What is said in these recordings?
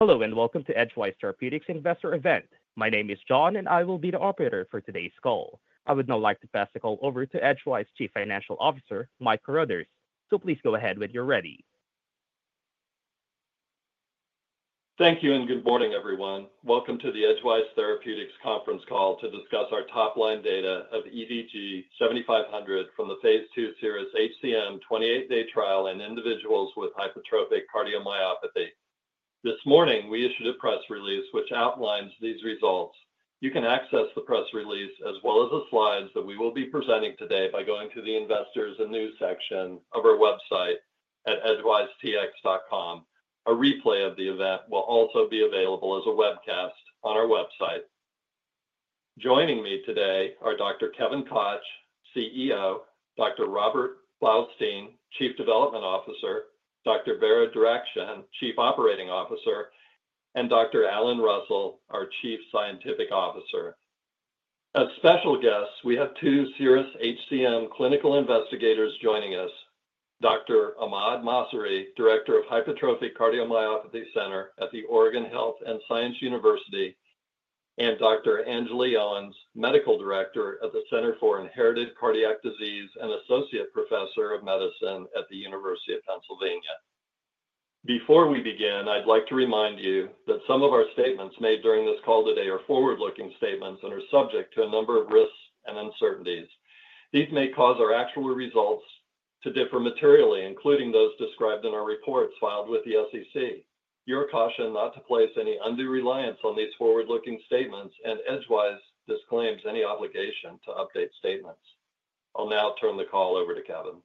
Hello, and welcome to Edgewise Therapeutics' investor event. My name is John, and I will be the operator for today's call. I would now like to pass the call over to Edgewise Chief Financial Officer, Mike Carruthers. Please go ahead when you're ready. Thank you, and good morning, everyone. Welcome to the Edgewise Therapeutics conference call to discuss our top-line data of EDG-7500 from the phase II series HCM 28-day trial in individuals with hypertrophic cardiomyopathy. This morning, we issued a press release which outlines these results. You can access the press release, as well as the slides that we will be presenting today, by going to the Investors and News section of our website at edgewisetx.com. A replay of the event will also be available as a webcast on our website. Joining me today are Dr. Kevin Koch, CEO, Dr. Robert Blaustein, Chief Development Officer, Dr. Behrad Derakhshan, Chief Operating Officer, and Dr. Alan Russell, our Chief Scientific Officer. As special guests, we have two serious HCM clinical investigators joining us: Dr. Ahmad Masri, Director of Hypertrophic Cardiomyopathy Center at the Oregon Health and Science University, and Dr. Anjali Owens, Medical Director at the Center for Inherited Cardiac Disease and Associate Professor of Medicine at the University of Pennsylvania. Before we begin, I'd like to remind you that some of our statements made during this call today are forward-looking statements and are subject to a number of risks and uncertainties. These may cause our actual results to differ materially, including those described in our reports filed with the SEC. Your caution not to place any undue reliance on these forward-looking statements, and Edgewise disclaims any obligation to update statements. I'll now turn the call over to Kevin.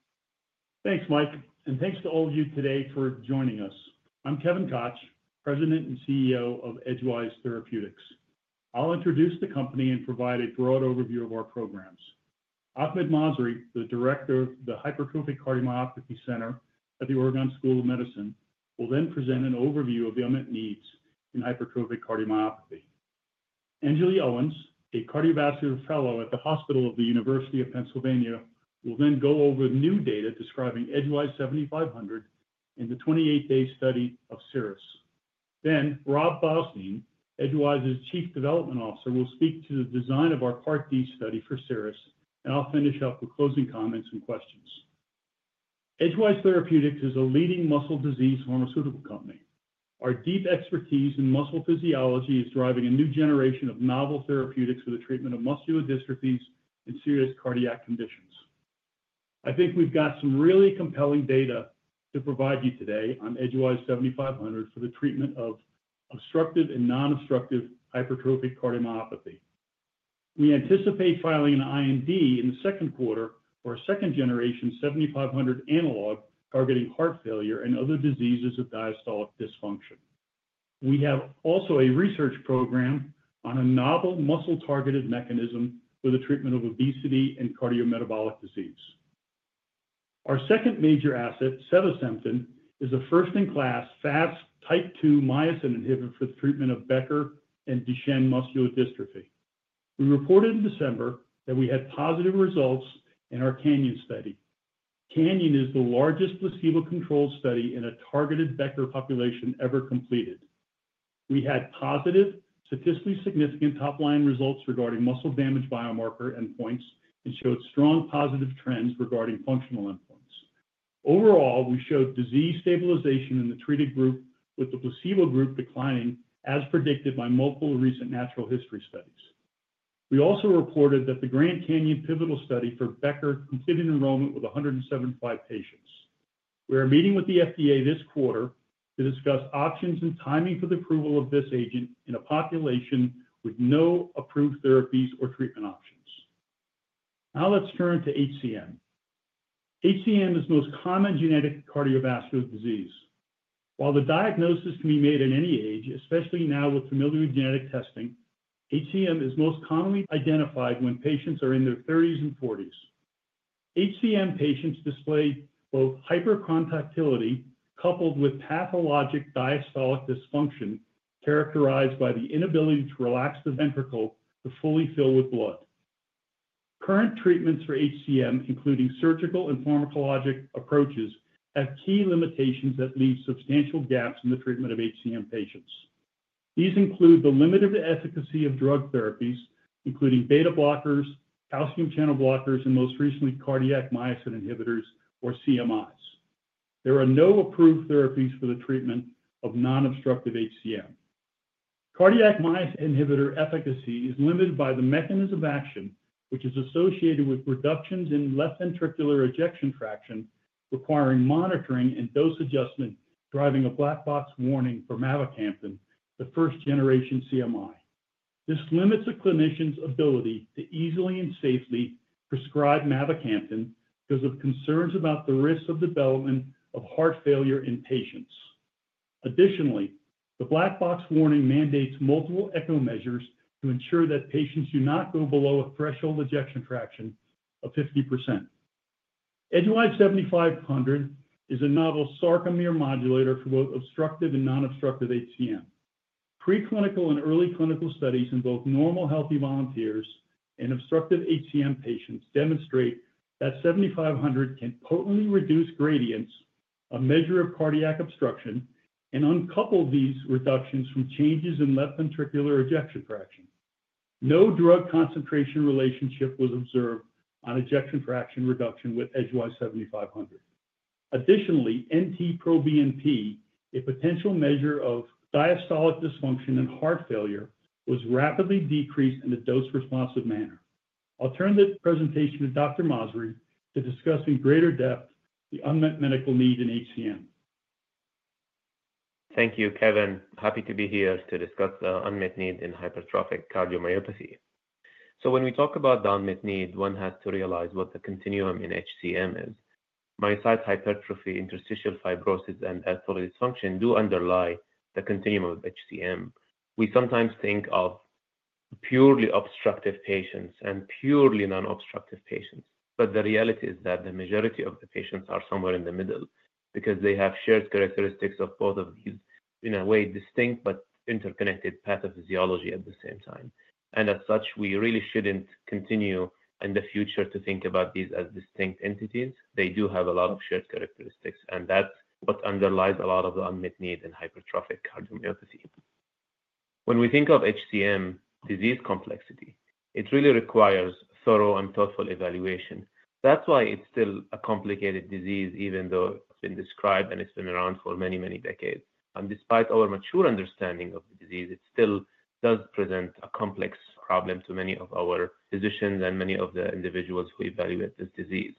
Thanks, Mike, and thanks to all of you today for joining us. I'm Kevin Koch, President and CEO of Edgewise Therapeutics. I'll introduce the company and provide a broad overview of our programs. Ahmad Masri, the Director of the Hypertrophic Cardiomyopathy Center at Oregon School of Medicine, will then present an overview of the imminent needs in hypertrophic cardiomyopathy. Anjali Owens, a cardiovascular fellow at the Hospital of the University of Pennsylvania, will then go over new data describing EDG-7500 in the 28-day study of CIRRUS. Rob Blaustein, Edgewise's Chief Development Officer, will speak to the design of our part D study for CIRRUS, and I'll finish up with closing comments and questions. Edgewise Therapeutics is a leading muscle disease pharmaceutical company. Our deep expertise in muscle physiology is driving a new generation of novel therapeutics for the treatment of muscular dystrophies and serious cardiac conditions. I think we've got some really compelling data to provide you today on EDG-7500 for the treatment of obstructive and non-obstructive hypertrophic cardiomyopathy. We anticipate filing an IND in the second quarter for a second-generation 7500 analog targeting heart failure and other diseases of diastolic dysfunction. We have also a research program on a novel muscle-targeted mechanism for the treatment of obesity and cardiometabolic disease. Our second major asset, sevasemten, is a first-in-class, first type 2 myosin inhibitor for the treatment of Becker and Duchenne muscular dystrophy. We reported in December that we had positive results in our CANYON study. CANYON is the largest placebo-controlled study in a targeted Becker population ever completed. We had positive, statistically significant top-line results regarding muscle damage biomarker endpoints and showed strong positive trends regarding functional endpoints. Overall, we showed disease stabilization in the treated group, with the placebo group declining, as predicted by multiple recent natural history studies. We also reported that the GRAND CANYON pivotal study for Becker completed enrollment with 175 patients. We are meeting with the FDA this quarter to discuss options and timing for the approval of this agent in a population with no approved therapies or treatment options. Now let's turn to HCM. HCM is the most common genetic cardiovascular disease. While the diagnosis can be made at any age, especially now with familial genetic testing, HCM is most commonly identified when patients are in their 30s and 40s. HCM patients display both hypercontractility coupled with pathologic diastolic dysfunction characterized by the inability to relax the ventricle to fully fill with blood. Current treatments for HCM, including surgical and pharmacologic approaches, have key limitations that leave substantial gaps in the treatment of HCM patients. These include the limited efficacy of drug therapies, including beta-blockers, calcium channel blockers, and most recently, cardiac myosin inhibitors, or CMIs. There are no approved therapies for the treatment of non-obstructive HCM. Cardiac myosin inhibitor efficacy is limited by the mechanism of action, which is associated with reductions in left ventricular ejection fraction, requiring monitoring and dose adjustment, driving a black box warning for Mavacamten, the first-generation CMI. This limits a clinician's ability to easily and safely prescribe Mavacamten because of concerns about the risk of development of heart failure in patients. Additionally, the black box warning mandates multiple echo measures to ensure that patients do not go below a threshold ejection fraction of 50%. EDG-7500 is a novel sarcomere modulator for both obstructive and non-obstructive HCM. Preclinical and early clinical studies in both normal healthy volunteers and obstructive HCM patients demonstrate that EDG-7500 can potently reduce gradients, a measure of cardiac obstruction, and uncouple these reductions from changes in left ventricular ejection fraction. No drug concentration relationship was observed on ejection fraction reduction with EDG-7500. Additionally, NT-proBNP, a potential measure of diastolic dysfunction and heart failure, was rapidly decreased in a dose-responsive manner. I'll turn the presentation to Dr. Masri to discuss in greater depth the unmet medical need in HCM. Thank you, Kevin. Happy to be here to discuss the unmet need in hypertrophic cardiomyopathy. When we talk about the unmet need, one has to realize what the continuum in HCM is. Myocyte hypertrophy, interstitial fibrosis, and atherosclerotic dysfunction do underlie the continuum of HCM. We sometimes think of purely obstructive patients and purely non-obstructive patients, but the reality is that the majority of the patients are somewhere in the middle because they have shared characteristics of both of these in a way distinct but interconnected pathophysiology at the same time. As such, we really shouldn't continue in the future to think about these as distinct entities. They do have a lot of shared characteristics, and that's what underlies a lot of the unmet need in hypertrophic cardiomyopathy. When we think of HCM disease complexity, it really requires thorough and thoughtful evaluation. That's why it's still a complicated disease, even though it's been described and it's been around for many, many decades. Despite our mature understanding of the disease, it still does present a complex problem to many of our physicians and many of the individuals who evaluate this disease.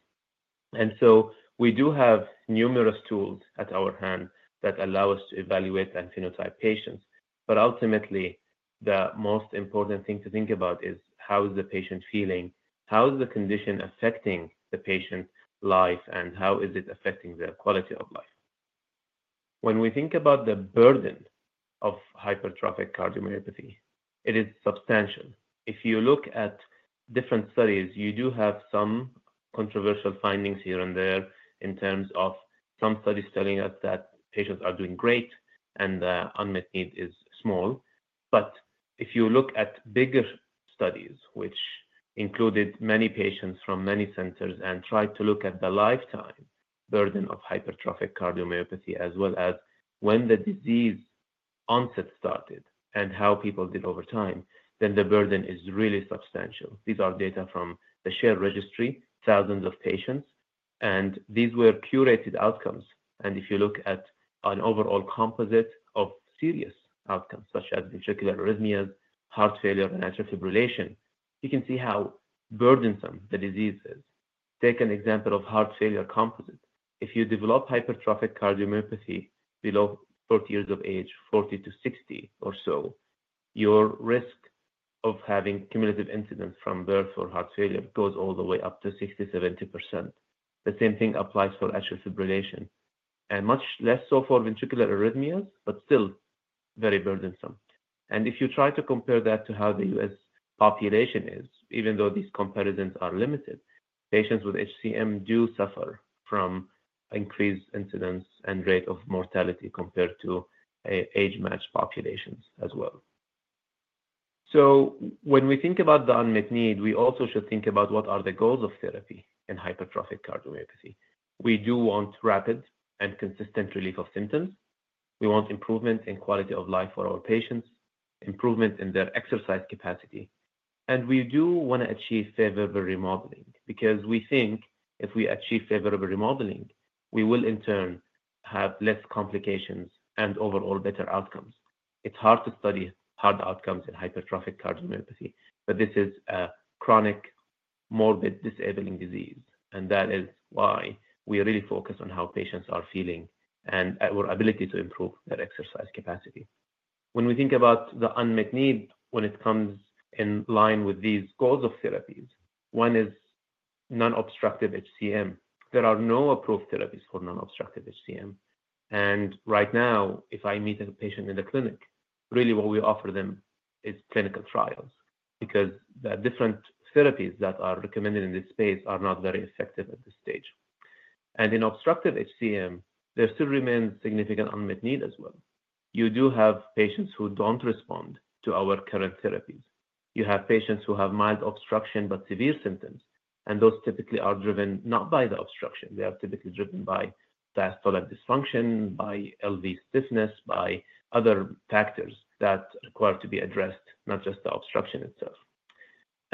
We do have numerous tools at our hand that allow us to evaluate and phenotype patients, but ultimately, the most important thing to think about is how is the patient feeling, how is the condition affecting the patient's life, and how is it affecting their quality of life. When we think about the burden of hypertrophic cardiomyopathy, it is substantial. If you look at different studies, you do have some controversial findings here and there in terms of some studies telling us that patients are doing great and the unmet need is small. If you look at bigger studies, which included many patients from many centers and tried to look at the lifetime burden of hypertrophic cardiomyopathy, as well as when the disease onset started and how people did over time, the burden is really substantial. These are data from the shared registry, thousands of patients, and these were curated outcomes. If you look at an overall composite of serious outcomes, such as ventricular arrhythmias, heart failure, and atrial fibrillation, you can see how burdensome the disease is. Take an example of heart failure composite. If you develop hypertrophic cardiomyopathy below 40 years of age, 40-60 or so, your risk of having cumulative incidence from birth for heart failure goes all the way up to 60%, 70%. The same thing applies for atrial fibrillation, and much less so for ventricular arrhythmias, but still very burdensome. If you try to compare that to how the U.S. population is, even though these comparisons are limited, patients with HCM do suffer from increased incidence and rate of mortality compared to age-matched populations as well. When we think about the unmet need, we also should think about what are the goals of therapy in hypertrophic cardiomyopathy. We do want rapid and consistent relief of symptoms. We want improvement in quality of life for our patients, improvement in their exercise capacity, and we do want to achieve favorable remodeling because we think if we achieve favorable remodeling, we will in turn have less complications and overall better outcomes. It's hard to study hard outcomes in hypertrophic cardiomyopathy, but this is a chronic, morbid, disabling disease, and that is why we really focus on how patients are feeling and our ability to improve their exercise capacity. When we think about the unmet need, when it comes in line with these goals of therapies, one is non-obstructive HCM. There are no approved therapies for non-obstructive HCM, and right now, if I meet a patient in the clinic, really what we offer them is clinical trials because the different therapies that are recommended in this space are not very effective at this stage. In obstructive HCM, there still remains significant unmet need as well. You do have patients who do not respond to our current therapies. You have patients who have mild obstruction but severe symptoms, and those typically are driven not by the obstruction. They are typically driven by diastolic dysfunction, by LV stiffness, by other factors that require to be addressed, not just the obstruction itself.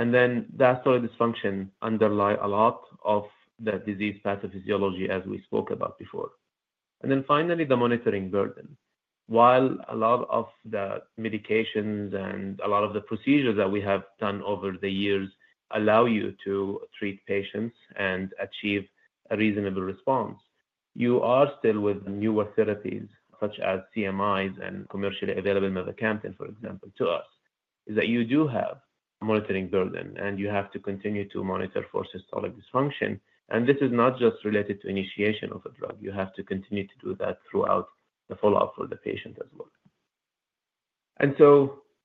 Diastolic dysfunction underlies a lot of the disease pathophysiology, as we spoke about before. Finally, the monitoring burden. While a lot of the medications and a lot of the procedures that we have done over the years allow you to treat patients and achieve a reasonable response, you are still with newer therapies such as CMIs and commercially available Mavacamten, for example, to us, is that you do have a monitoring burden, and you have to continue to monitor for systolic dysfunction. This is not just related to initiation of a drug. You have to continue to do that throughout the follow-up for the patient as well.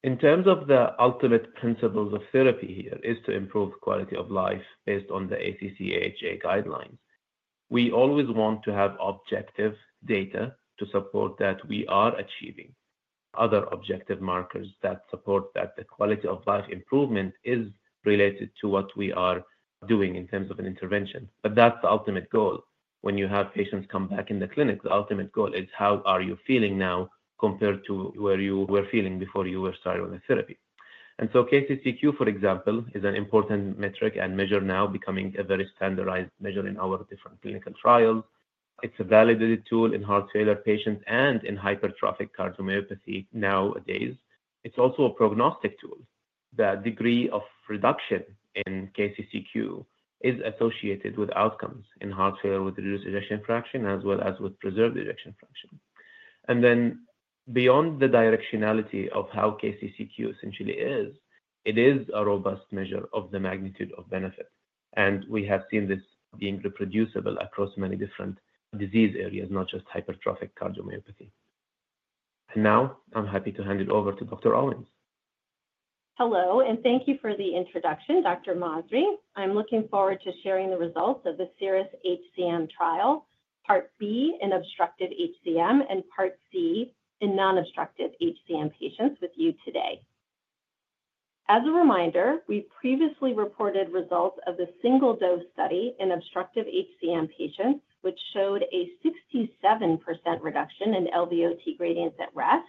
In terms of the ultimate principles of therapy here, it is to improve quality of life based on the ACC/AHA guidelines. We always want to have objective data to support that we are achieving other objective markers that support that the quality of life improvement is related to what we are doing in terms of an intervention, but that's the ultimate goal. When you have patients come back in the clinic, the ultimate goal is how are you feeling now compared to where you were feeling before you were started on the therapy. KCCQ, for example, is an important metric and measure now becoming a very standardized measure in our different clinical trials. It's a validated tool in heart failure patients and in hypertrophic cardiomyopathy nowadays. It's also a prognostic tool. The degree of reduction in KCCQ is associated with outcomes in heart failure with reduced ejection fraction as well as with preserved ejection fraction. Beyond the directionality of how KCCQ essentially is, it is a robust measure of the magnitude of benefit, and we have seen this being reproducible across many different disease areas, not just hypertrophic cardiomyopathy. Now I am happy to hand it over to Dr. Owens. Hello, and thank you for the introduction, Dr. Masri. I'm looking forward to sharing the results of the CIRRUS-HCM trial, part B in obstructive HCM and part C in non-obstructive HCM patients with you today. As a reminder, we previously reported results of the single-dose study in obstructive HCM patients, which showed a 67% reduction in LVOT gradients at rest,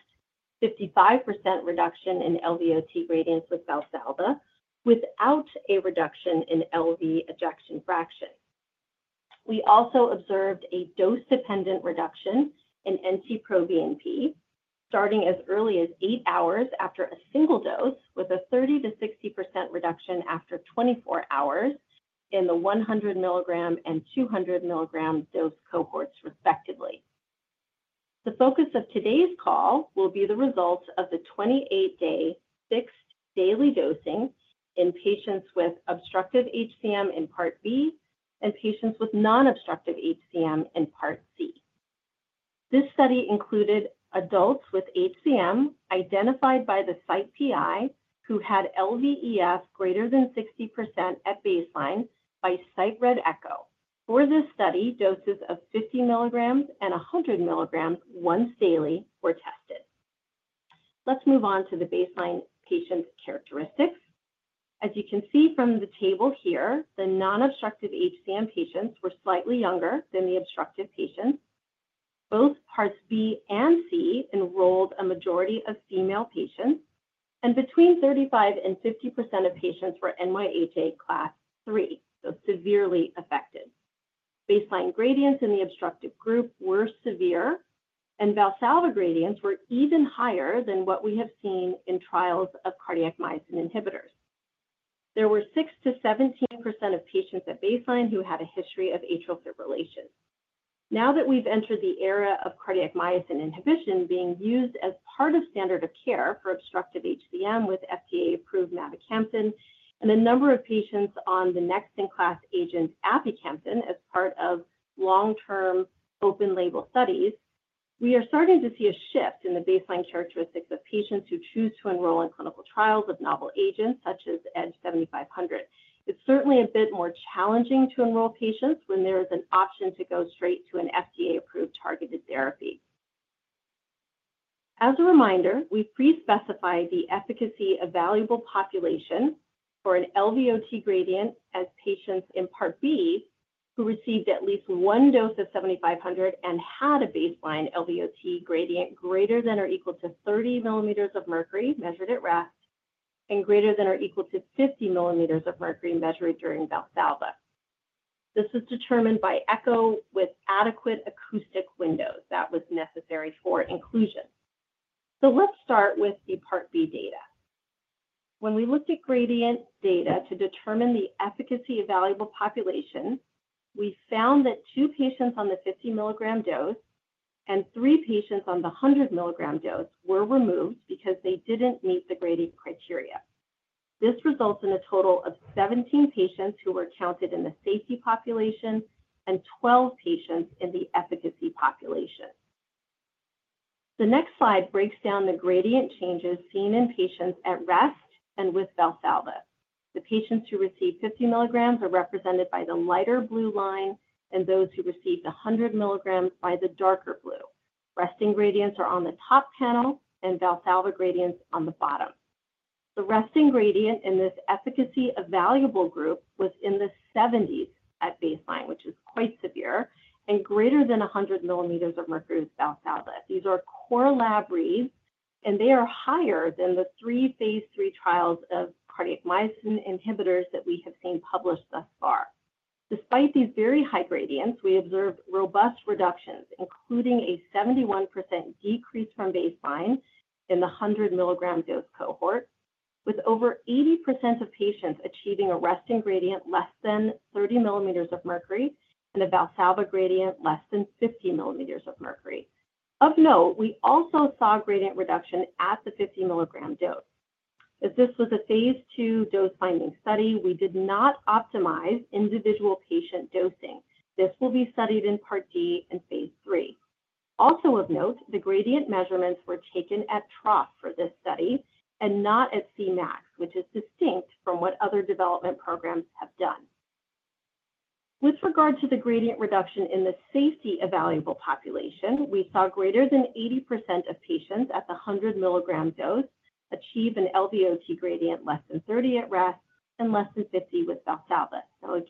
55% reduction in LVOT gradients with Valsalva, without a reduction in LV ejection fraction. We also observed a dose-dependent reduction in NT-proBNP starting as early as eight hours after a single dose, with a 30%-60% reduction after 24 hours in the 100 ml and 200 ml dose cohorts, respectively. The focus of today's call will be the results of the 28-day fixed daily dosing in patients with obstructive HCM in part B and patients with non-obstructive HCM in part C. This study included adults with HCM identified by the site PI who had LVEF greater than 60% at baseline by site read echo. For this study, doses of 50 ml and 100 ml once daily were tested. Let's move on to the baseline patient characteristics. As you can see from the table here, the non-obstructive HCM patients were slightly younger than the obstructive patients. Both parts B and C enrolled a majority of female patients, and between 35% and 50% of patients were NYHA class III, so severely affected. Baseline gradients in the obstructive group were severe, and Valsalva gradients were even higher than what we have seen in trials of cardiac myosin inhibitors. There were 6%-17% of patients at baseline who had a history of atrial fibrillation. Now that we've entered the era of cardiac myosin inhibition being used as part of standard of care for obstructive HCM with FDA-approved Mavacamten and a number of patients on the next-in-class agent aficamten as part of long-term open label studies, we are starting to see a shift in the baseline characteristics of patients who choose to enroll in clinical trials of novel agents such as EDG-7500. It's certainly a bit more challenging to enroll patients when there is an option to go straight to an FDA-approved targeted therapy. As a reminder, we pre-specify the efficacy evaluable population for an LVOT gradient as patients in part B who received at least one dose of 7500 and had a baseline LVOT gradient greater than or equal to 30 mmHg measured at rest and greater than or equal to 50 mmHg measured during Valsalva. This is determined by echo with adequate acoustic windows that were necessary for inclusion. Let's start with the part B data. When we looked at gradient data to determine the efficacy of valuable population, we found that two patients on the 50 ml dose and three patients on the 100 ml dose were removed because they didn't meet the gradient criteria. This results in a total of 17 patients who were counted in the safety population and 12 patients in the efficacy population. The next slide breaks down the gradient changes seen in patients at rest and with Valsalva. The patients who received 50 ml are represented by the lighter blue line and those who received 100 ml by the darker blue. Resting gradients are on the top panel and Valsalva gradients on the bottom. The resting gradient in this efficacy evaluable group was in the 70s at baseline, which is quite severe, and greater than 100 mmHg with Valsalva. These are core lab reads, and they are higher than the three phase III trials of cardiac myosin inhibitors that we have seen published thus far. Despite these very high gradients, we observed robust reductions, including a 71% decrease from baseline in the 100 ml dose cohort, with over 80% of patients achieving a resting gradient less than 30 mmHg and a Valsalva gradient less than 50 mmHg. Of note, we also saw gradient reduction at the 50 ml dose. As this was a phase II dose-finding study, we did not optimize individual patient dosing. This will be studied in part D and phase III. Also of note, the gradient measurements were taken at trough for this study and not at Cmax, which is distinct from what other development programs have done. With regard to the gradient reduction in the safety evaluable population, we saw greater than 80% of patients at the 100 ml dose achieve an LVOT gradient less than 30 at rest and less than 50 with Valsalva.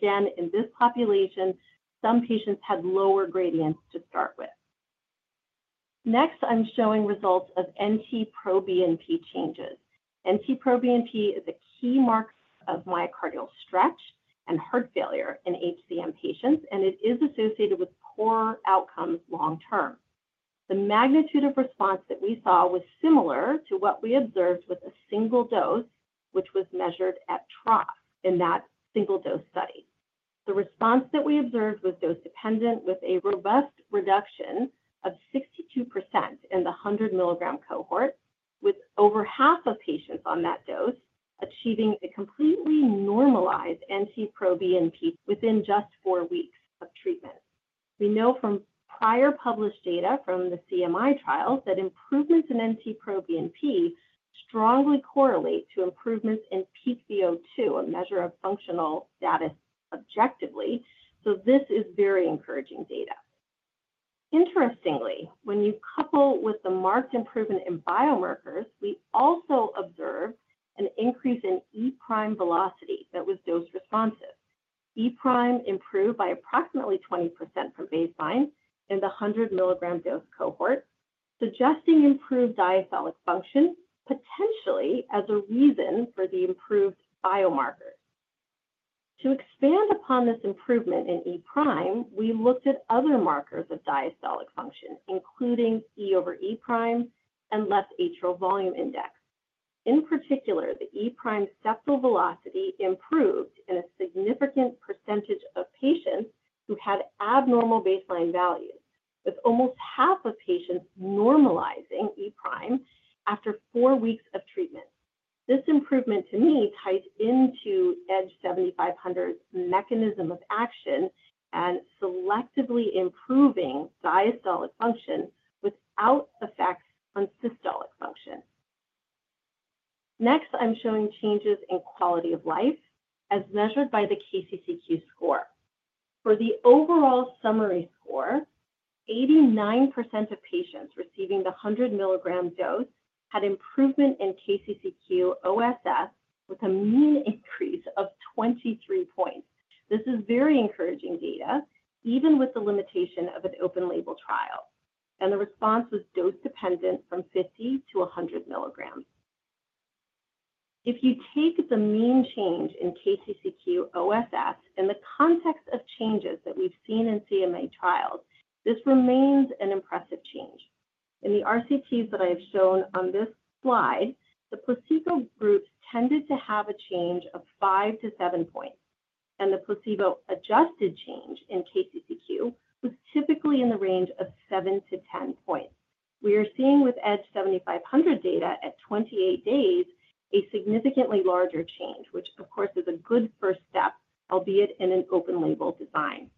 In this population, some patients had lower gradients to start with. Next, I'm showing results of NT-proBNP changes. NT-proBNP is a key marker of myocardial stretch and heart failure in HCM patients, and it is associated with poor outcomes long term. The magnitude of response that we saw was similar to what we observed with a single dose, which was measured at trough in that single-dose study. The response that we observed was dose-dependent with a robust reduction of 62% in the 100 ml cohort, with over half of patients on that dose achieving a completely normalized NT-proBNP within just four weeks of treatment. We know from prior published data from the CMI trials that improvements in NT-proBNP strongly correlate to improvements in PCO2, a measure of functional status objectively, so this is very encouraging data. Interestingly, when you couple with the marked improvement in biomarkers, we also observed an increase in e' velocity that was dose responsive. E' improved by approximately 20% from baseline in the 100 ml dose cohort, suggesting improved diastolic function potentially as a reason for the improved biomarkers. To expand upon this improvement in e', we looked at other markers of diastolic function, including e/e' and left atrial volume index. In particular, the e’ Septal velocity improved in a significant percentage of patients who had abnormal baseline values, with almost half of patients normalizing e' after four weeks of treatment. This improvement, to me, ties into EDG-7500's mechanism of action and selectively improving diastolic function without effects on systolic function. Next, I'm showing changes in quality of life as measured by the KCCQ score. For the overall summary score, 89% of patients receiving the 100 ml dose had improvement in KCCQ-OSS with a mean increase of 23 points. This is very encouraging data, even with the limitation of an open label trial, and the response was dose-dependent from 50-100 ml. If you take the mean change in KCCQ-OSS in the context of changes that we've seen in CMI trials, this remains an impressive change. In the RCTs that I have shown on this slide, the placebo groups tended to have a change of five to seven points, and the placebo-adjusted change in KCCQ was typically in the range of seven to 10 points. We are seeing with EDG-7500 data at 28 days a significantly larger change, which, of course, is a good first step, albeit in an open label design.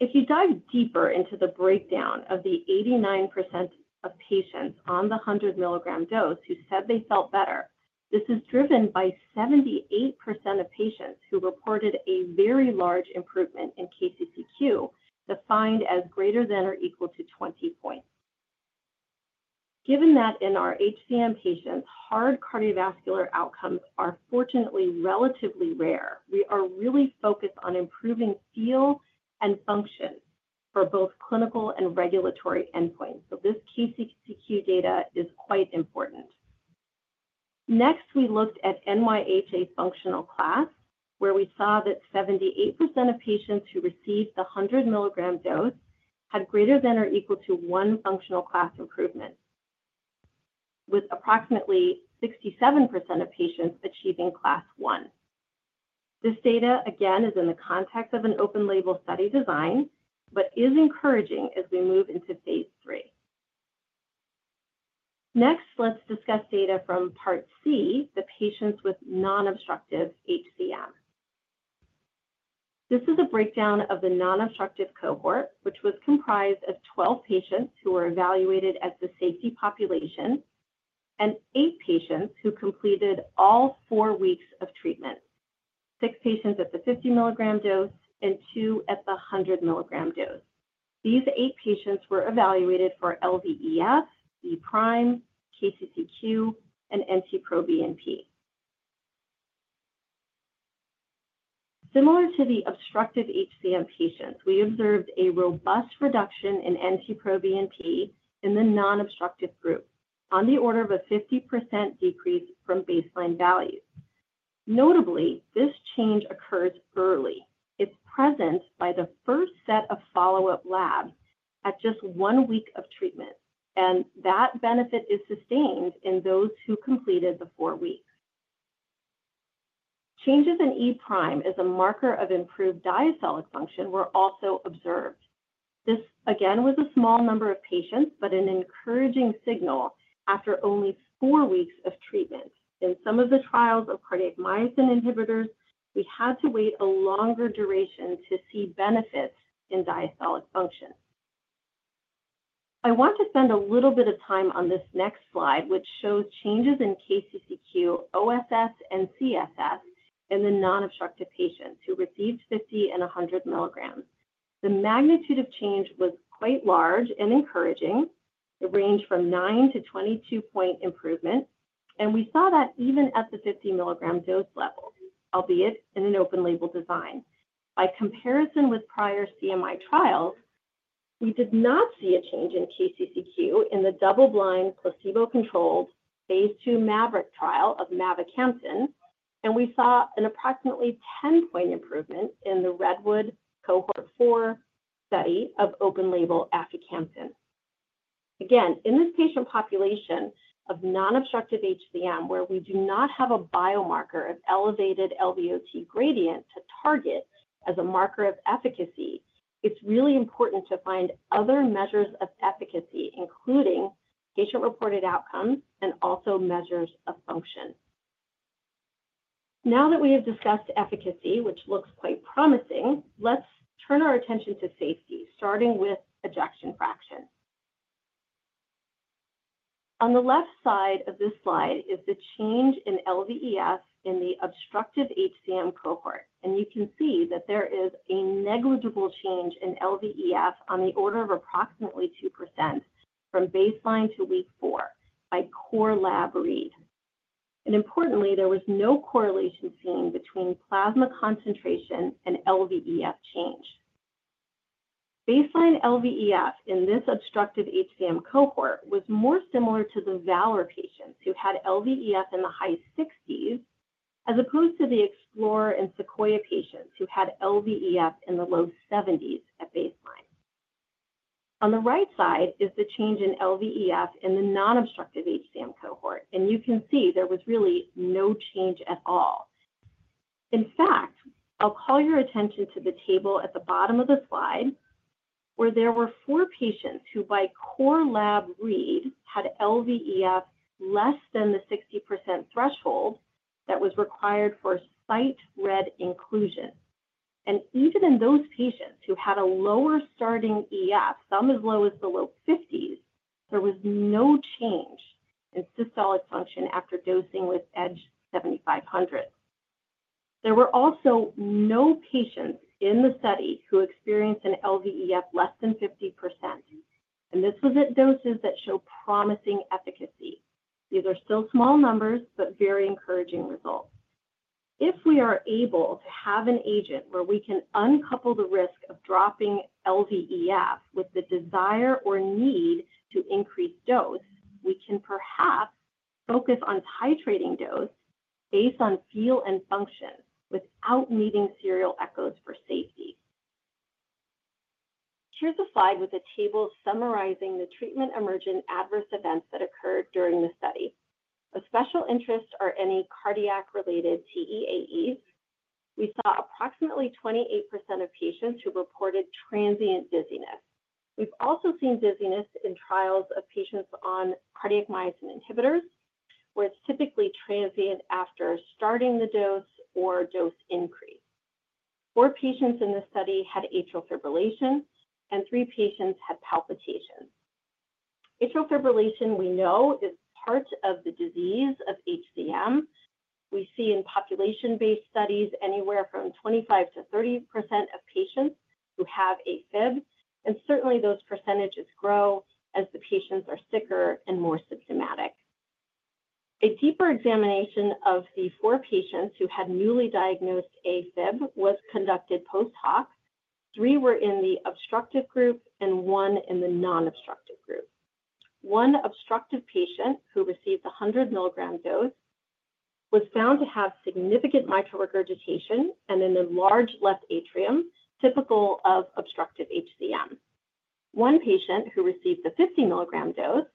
If you dive deeper into the breakdown of the 89% of patients on the 100 ml dose who said they felt better, this is driven by 78% of patients who reported a very large improvement in KCCQ defined as greater than or equal to 20 points. Given that in our HCM patients, hard cardiovascular outcomes are fortunately relatively rare, we are really focused on improving feel and function for both clinical and regulatory endpoints, so this KCCQ data is quite important. Next, we looked at NYHA functional class, where we saw that 78% of patients who received the 100 ml dose had greater than or equal to one functional class improvement, with approximately 67% of patients achieving class I. This data, again, is in the context of an open label study design, but is encouraging as we move into phase III. Next, let's discuss data from part C, the patients with non-obstructive HCM. This is a breakdown of the non-obstructive cohort, which was comprised of 12 patients who were evaluated as the safety population and eight patients who completed all four weeks of treatment, six patients at the 50 ml dose and two at the 100 ml dose. These eight patients were evaluated for LVEF, e', KCCQ, and NT-proBNP. Similar to the obstructive HCM patients, we observed a robust reduction in NT-proBNP in the non-obstructive group, on the order of a 50% decrease from baseline values. Notably, this change occurs early. It is present by the first set of follow-up labs at just one week of treatment, and that benefit is sustained in those who completed the four weeks. Changes in e' as a marker of improved diastolic function were also observed. This, again, was a small number of patients, but an encouraging signal after only four weeks of treatment. In some of the trials of cardiac myosin inhibitors, we had to wait a longer duration to see benefits in diastolic function. I want to spend a little bit of time on this next slide, which shows changes in KCCQ-OSS and CSS in the non-obstructive patients who received 50 and 100 ml. The magnitude of change was quite large and encouraging. It ranged from nine to 22 point improvement, and we saw that even at the 50 ml dose level, albeit in an open label design. By comparison with prior CMI trials, we did not see a change in KCCQ in the double-blind placebo-controlled phase II MAVERICK trial of Mavacamten, and we saw an approximately 10-point improvement in the REDWOOD cohort IV study of open label Aficamten. Again, in this patient population of non-obstructive HCM, where we do not have a biomarker of elevated LVOT gradient to target as a marker of efficacy, it's really important to find other measures of efficacy, including patient-reported outcomes and also measures of function. Now that we have discussed efficacy, which looks quite promising, let's turn our attention to safety, starting with ejection fraction. On the left side of this slide is the change in LVEF in the obstructive HCM cohort, and you can see that there is a negligible change in LVEF on the order of approximately 2% from baseline to week four by core lab read. Importantly, there was no correlation seen between plasma concentration and LVEF change. Baseline LVEF in this obstructive HCM cohort was more similar to the VALOR patients who had LVEF in the high 60s as opposed to the EXPLORER and SEQUOIA patients who had LVEF in the low 70s at baseline. On the right side is the change in LVEF in the non-obstructive HCM cohort, and you can see there was really no change at all. In fact, I'll call your attention to the table at the bottom of the slide where there were four patients who, by core lab read, had LVEF less than the 60% threshold that was required for site read inclusion. Even in those patients who had a lower starting EF, some as low as the low 50s, there was no change in systolic function after dosing with EDG-7500. There were also no patients in the study who experienced an LVEF less than 50%, and this was at doses that show promising efficacy. These are still small numbers, but very encouraging results. If we are able to have an agent where we can uncouple the risk of dropping LVEF with the desire or need to increase dose, we can perhaps focus on titrating dose based on feel and function without needing serial echoes for safety. Here's a slide with a table summarizing the treatment-emergent adverse events that occurred during the study. Of special interest are any cardiac-related TEAEs. We saw approximately 28% of patients who reported transient dizziness. We've also seen dizziness in trials of patients on cardiac myosin inhibitors, where it's typically transient after starting the dose or dose increase. Four patients in the study had atrial fibrillation, and three patients had palpitations. Atrial fibrillation, we know, is part of the disease of HCM. We see in population-based studies anywhere from 25%-30% of patients who have AFib, and certainly those percentages grow as the patients are sicker and more symptomatic. A deeper examination of the four patients who had newly diagnosed AFib was conducted post hoc. Three were in the obstructive group and one in the non-obstructive group. One obstructive patient who received the 100 ml dose was found to have significant mitral regurgitation and an enlarged left atrium, typical of obstructive HCM. One patient who received the 50 ml dose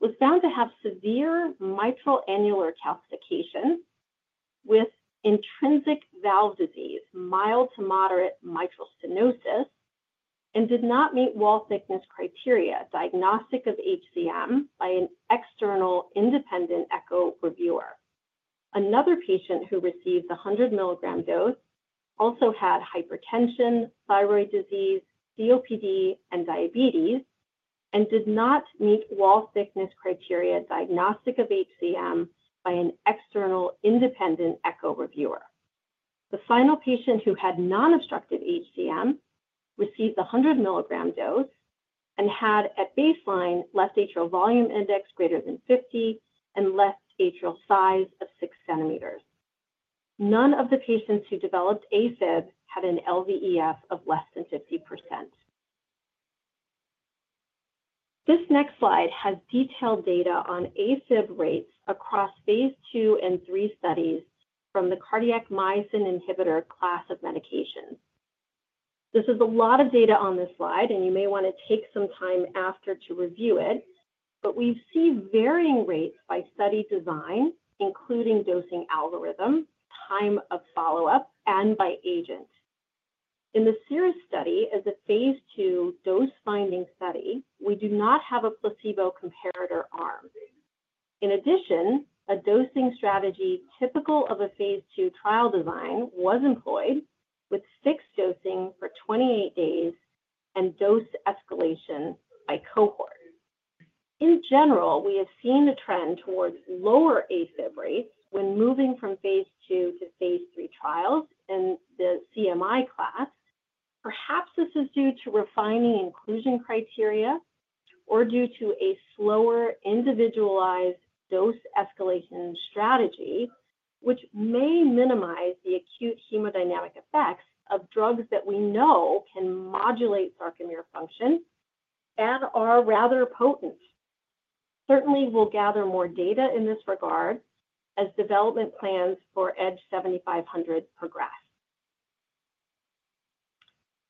was found to have severe mitral annular calcification with intrinsic valve disease, mild to moderate mitral stenosis, and did not meet wall thickness criteria diagnostic of HCM by an external independent echo reviewer. Another patient who received the 100 ml dose also had hypertension, thyroid disease, COPD, and diabetes, and did not meet wall thickness criteria diagnostic of HCM by an external independent echo reviewer. The final patient who had non-obstructive HCM received the 100 ml dose and had, at baseline, left atrial volume index greater than 50 and left atrial size of 6 cm. None of the patients who developed AFib had an LVEF of less than 50%. This next slide has detailed data on AFib rates across phase II and III studies from the cardiac myosin inhibitor class of medication. This is a lot of data on this slide, and you may want to take some time after to review it, but we see varying rates by study design, including dosing algorithm, time of follow-up, and by agent. In the CIRRUS study, as a phase II dose-finding study, we do not have a placebo comparator arm. In addition, a dosing strategy typical of a phase II trial design was employed, with fixed dosing for 28 days and dose escalation by cohort. In general, we have seen a trend towards lower AFib rates when moving from phase II to phase III trials in the CMI class. Perhaps this is due to refining inclusion criteria or due to a slower individualized dose escalation strategy, which may minimize the acute hemodynamic effects of drugs that we know can modulate sarcomere function and are rather potent. Certainly, we will gather more data in this regard as development plans for EDG-7500 progress.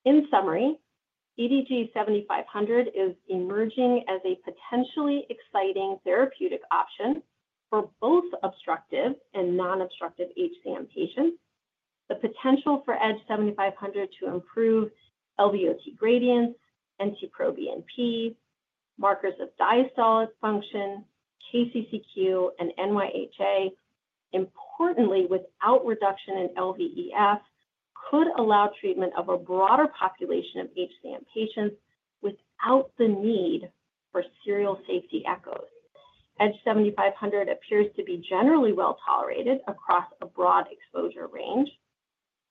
In summary, EDG-7500 is emerging as a potentially exciting therapeutic option for both obstructive and non-obstructive HCM patients. The potential for EDG-7500 to improve LVOT gradients, NT-proBNP, markers of diastolic function, KCCQ, and NYHA, importantly, without reduction in LVEF, could allow treatment of a broader population of HCM patients without the need for serial safety echoes. EDG-7500 appears to be generally well tolerated across a broad exposure range,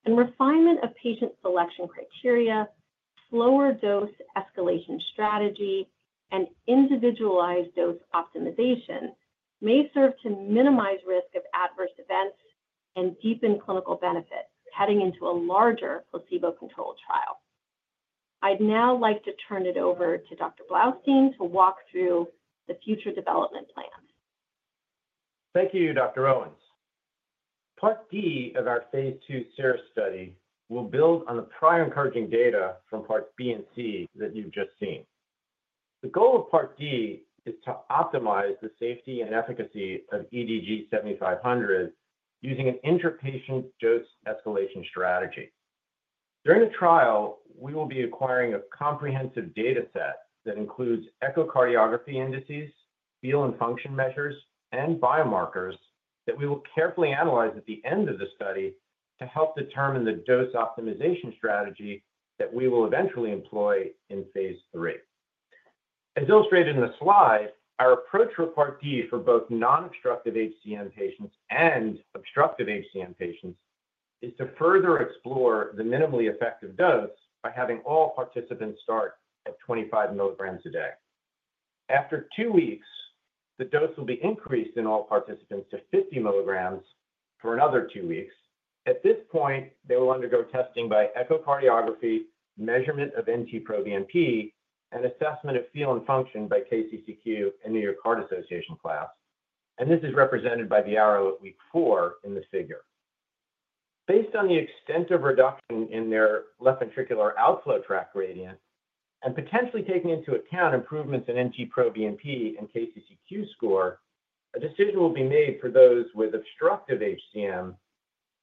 and refinement of patient selection criteria, slower dose escalation strategy, and individualized dose optimization may serve to minimize risk of adverse events and deepen clinical benefits heading into a larger placebo-controlled trial. I'd now like to turn it over to Dr. Blaustein to walk through the future development plans. Thank you, Dr. Owens. part D of our phase II CIRRUS study will build on the prior encouraging data from parts B and C that you've just seen. The goal of part D is to optimize the safety and efficacy of EDG-7500 using an interpatient dose escalation strategy. During the trial, we will be acquiring a comprehensive data set that includes echocardiography indices, feel and function measures, and biomarkers that we will carefully analyze at the end of the study to help determine the dose optimization strategy that we will eventually employ in phase III. As illustrated in the slide, our approach for part D for both non-obstructive HCM patients and obstructive HCM patients is to further explore the minimally effective dose by having all participants start at 25 ml a day. After two weeks, the dose will be increased in all participants to 50 ml for another two weeks. At this point, they will undergo testing by echocardiography, measurement of NT-proBNP, and assessment of feel and function by KCCQ and New York Heart Association class. This is represented by the arrow at week four in the figure. Based on the extent of reduction in their left ventricular outflow tract gradient and potentially taking into account improvements in NT-proBNP and KCCQ score, a decision will be made for those with obstructive HCM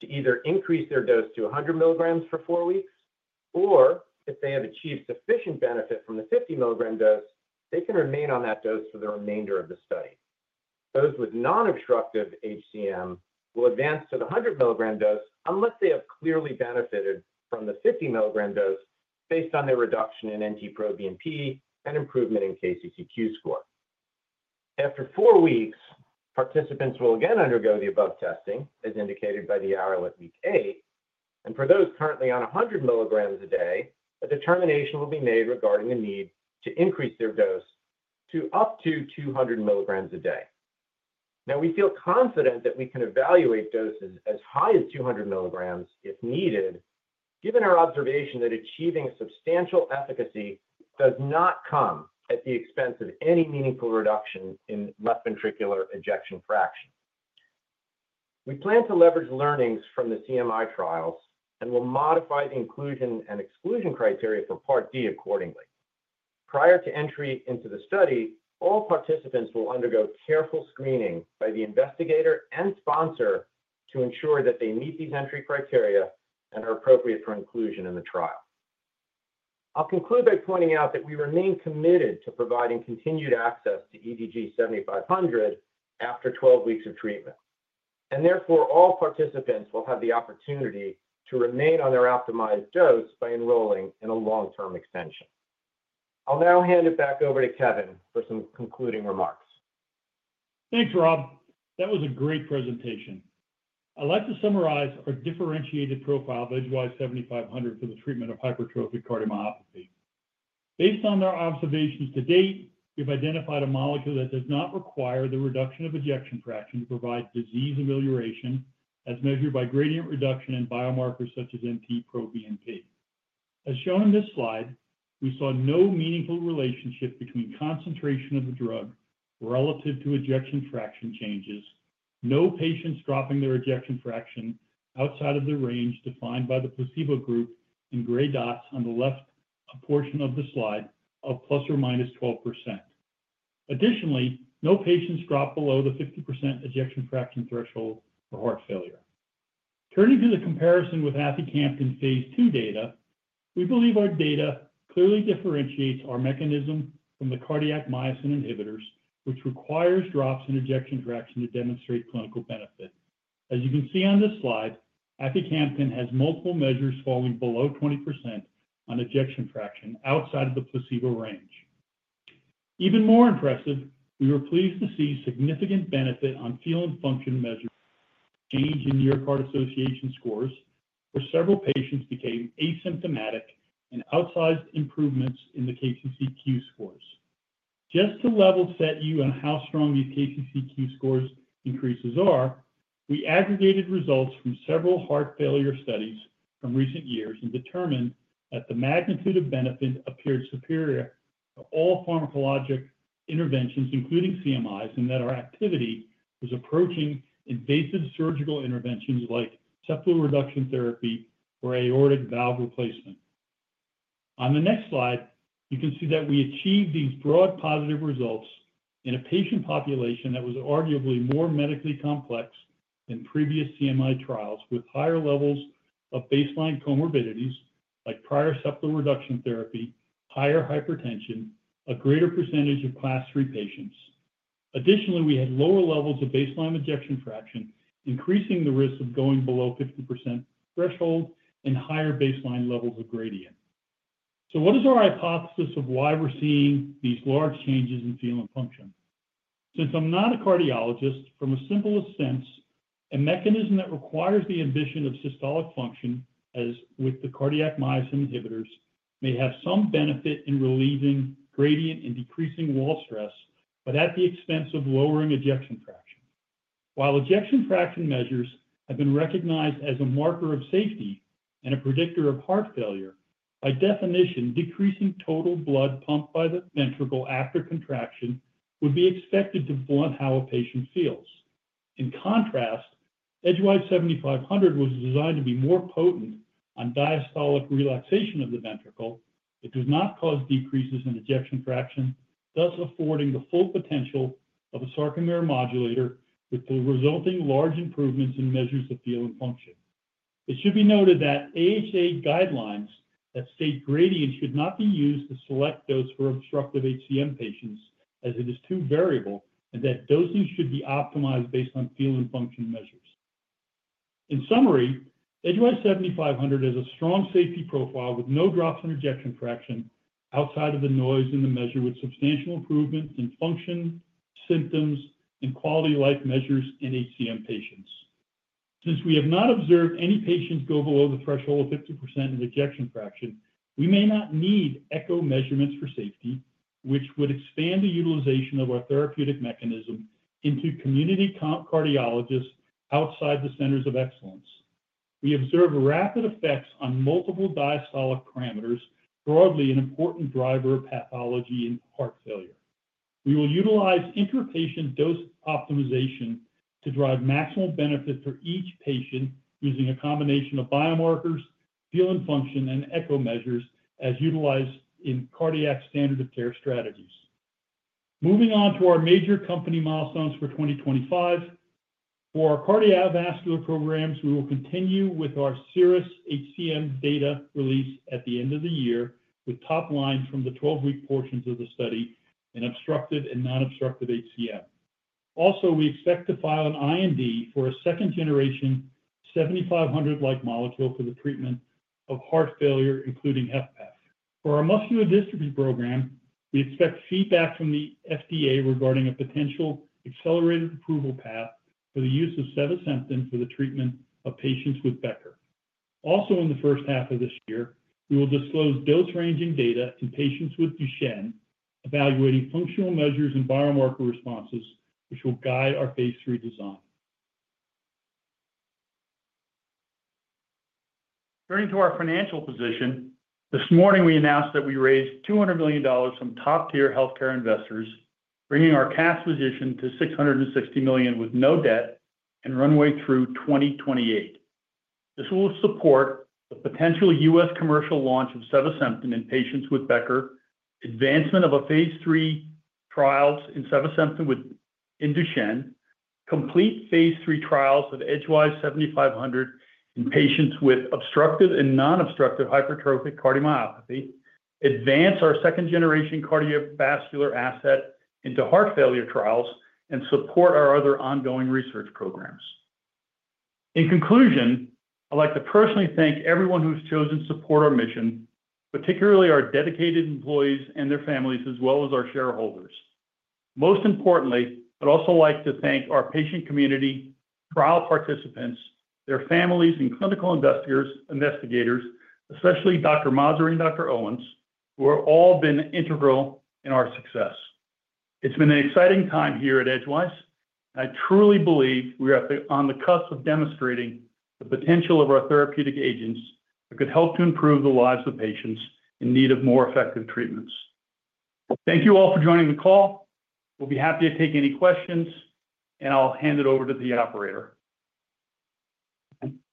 to either increase their dose to 100 ml for four weeks, or if they have achieved sufficient benefit from the 50 ml dose, they can remain on that dose for the remainder of the study. Those with non-obstructive HCM will advance to the 100 ml dose unless they have clearly benefited from the 50 ml dose based on their reduction in NT-proBNP and improvement in KCCQ score. After four weeks, participants will again undergo the above testing as indicated by the arrow at week eight. For those currently on 100 ml a day, a determination will be made regarding the need to increase their dose to up to 200 ml a day. Now, we feel confident that we can evaluate doses as high as 200 ml if needed, given our observation that achieving substantial efficacy does not come at the expense of any meaningful reduction in left ventricular ejection fraction. We plan to leverage learnings from the CMI trials and will modify the inclusion and exclusion criteria for part D accordingly. Prior to entry into the study, all participants will undergo careful screening by the investigator and sponsor to ensure that they meet these entry criteria and are appropriate for inclusion in the trial. I will conclude by pointing out that we remain committed to providing continued access to EDG-7500 after 12 weeks of treatment. Therefore, all participants will have the opportunity to remain on their optimized dose by enrolling in a long-term extension. I will now hand it back over to Kevin for some concluding remarks. Thanks, Rob. That was a great presentation. I'd like to summarize our differentiated profile of EDG-7500 for the treatment of hypertrophic cardiomyopathy. Based on our observations to date, we've identified a molecule that does not require the reduction of ejection fraction to provide disease amelioration as measured by gradient reduction and biomarkers such as NT-proBNP. As shown in this slide, we saw no meaningful relationship between concentration of the drug relative to ejection fraction changes, no patients dropping their ejection fraction outside of the range defined by the placebo group in gray dots on the left portion of the slide of plus or minus 12%. Additionally, no patients dropped below the 50% ejection fraction threshold for heart failure. Turning to the comparison with Mavacamten in phase II data, we believe our data clearly differentiates our mechanism from the cardiac myosin inhibitors, which requires drops in ejection fraction to demonstrate clinical benefit. As you can see on this slide, Mavacamten has multiple measures falling below 20% on ejection fraction outside of the placebo range. Even more impressive, we were pleased to see significant benefit on feel and function measure change in New York Heart Association scores, where several patients became asymptomatic and outsized improvements in the KCCQ scores. Just to level set you on how strong these KCCQ scores increases are, we aggregated results from several heart failure studies from recent years and determined that the magnitude of benefit appeared superior to all pharmacologic interventions, including CMIs, and that our activity was approaching invasive surgical interventions like septal reduction therapy or aortic valve replacement. On the next slide, you can see that we achieved these broad positive results in a patient population that was arguably more medically complex than previous CMI trials with higher levels of baseline comorbidities like prior septal reduction therapy, higher hypertension, a greater percentage of class III patients. Additionally, we had lower levels of baseline ejection fraction, increasing the risk of going below 50% threshold and higher baseline levels of gradient. What is our hypothesis of why we're seeing these large changes in feel and function? Since I'm not a cardiologist, from a simple sense, a mechanism that requires the ambition of systolic function, as with the cardiac myosin inhibitors, may have some benefit in relieving gradient and decreasing wall stress, but at the expense of lowering ejection fraction. While ejection fraction measures have been recognized as a marker of safety and a predictor of heart failure, by definition, decreasing total blood pumped by the ventricle after contraction would be expected to blunt how a patient feels. In contrast, EDG-7500 was designed to be more potent on diastolic relaxation of the ventricle. It does not cause decreases in ejection fraction, thus affording the full potential of a sarcomere modulator with the resulting large improvements in measures of feel and function. It should be noted that AHA guidelines that state gradient should not be used to select dose for obstructive HCM patients, as it is too variable, and that dosing should be optimized based on feel and function measures. In summary, EDG-7500 has a strong safety profile with no drops in ejection fraction outside of the noise in the measure with substantial improvement in function, symptoms, and quality of life measures in HCM patients. Since we have not observed any patients go below the threshold of 50% in ejection fraction, we may not need echo measurements for safety, which would expand the utilization of our therapeutic mechanism into community cardiologists outside the centers of excellence. We observe rapid effects on multiple diastolic parameters, broadly an important driver of pathology in heart failure. We will utilize interpatient dose optimization to drive maximal benefit for each patient using a combination of biomarkers, feel and function, and echo measures as utilized in cardiac standard of care strategies. Moving on to our major company milestones for 2025. For our cardiovascular programs, we will continue with our CIRRUS-HCM data release at the end of the year with top line from the 12-week portions of the study in obstructive and non-obstructive HCM. Also, we expect to file an IND for a second-generation 7500-like molecule for the treatment of heart failure, including HFpEF. For our muscular dystrophy program, we expect feedback from the FDA regarding a potential accelerated approval path for the use of sevasemten for the treatment of patients with Becker. Also, in the first half of this year, we will disclose dose-ranging data in patients with Duchenne, evaluating functional measures and biomarker responses, which will guide our phase III design. Turning to our financial position, this morning we announced that we raised $200 million from top-tier healthcare investors, bringing our cash position to $660 million with no debt and runway through 2028. This will support the potential U.S. commercial launch of sevasemten in patients with Becker, advancement of phase III trials in sevasemten in Duchenne, complete phase III trials of EDG-7500 in patients with obstructive and non-obstructive hypertrophic cardiomyopathy, advance our second-generation cardiovascular asset into heart failure trials, and support our other ongoing research programs. In conclusion, I'd like to personally thank everyone who's chosen to support our mission, particularly our dedicated employees and their families, as well as our shareholders. Most importantly, I'd also like to thank our patient community, trial participants, their families, and clinical investigators, especially Dr. Masri and Dr. Owens, who have all been integral in our success. It's been an exciting time here at Edgewise, and I truly believe we are on the cusp of demonstrating the potential of our therapeutic agents that could help to improve the lives of patients in need of more effective treatments. Thank you all for joining the call. We'll be happy to take any questions, and I'll hand it over to the operator.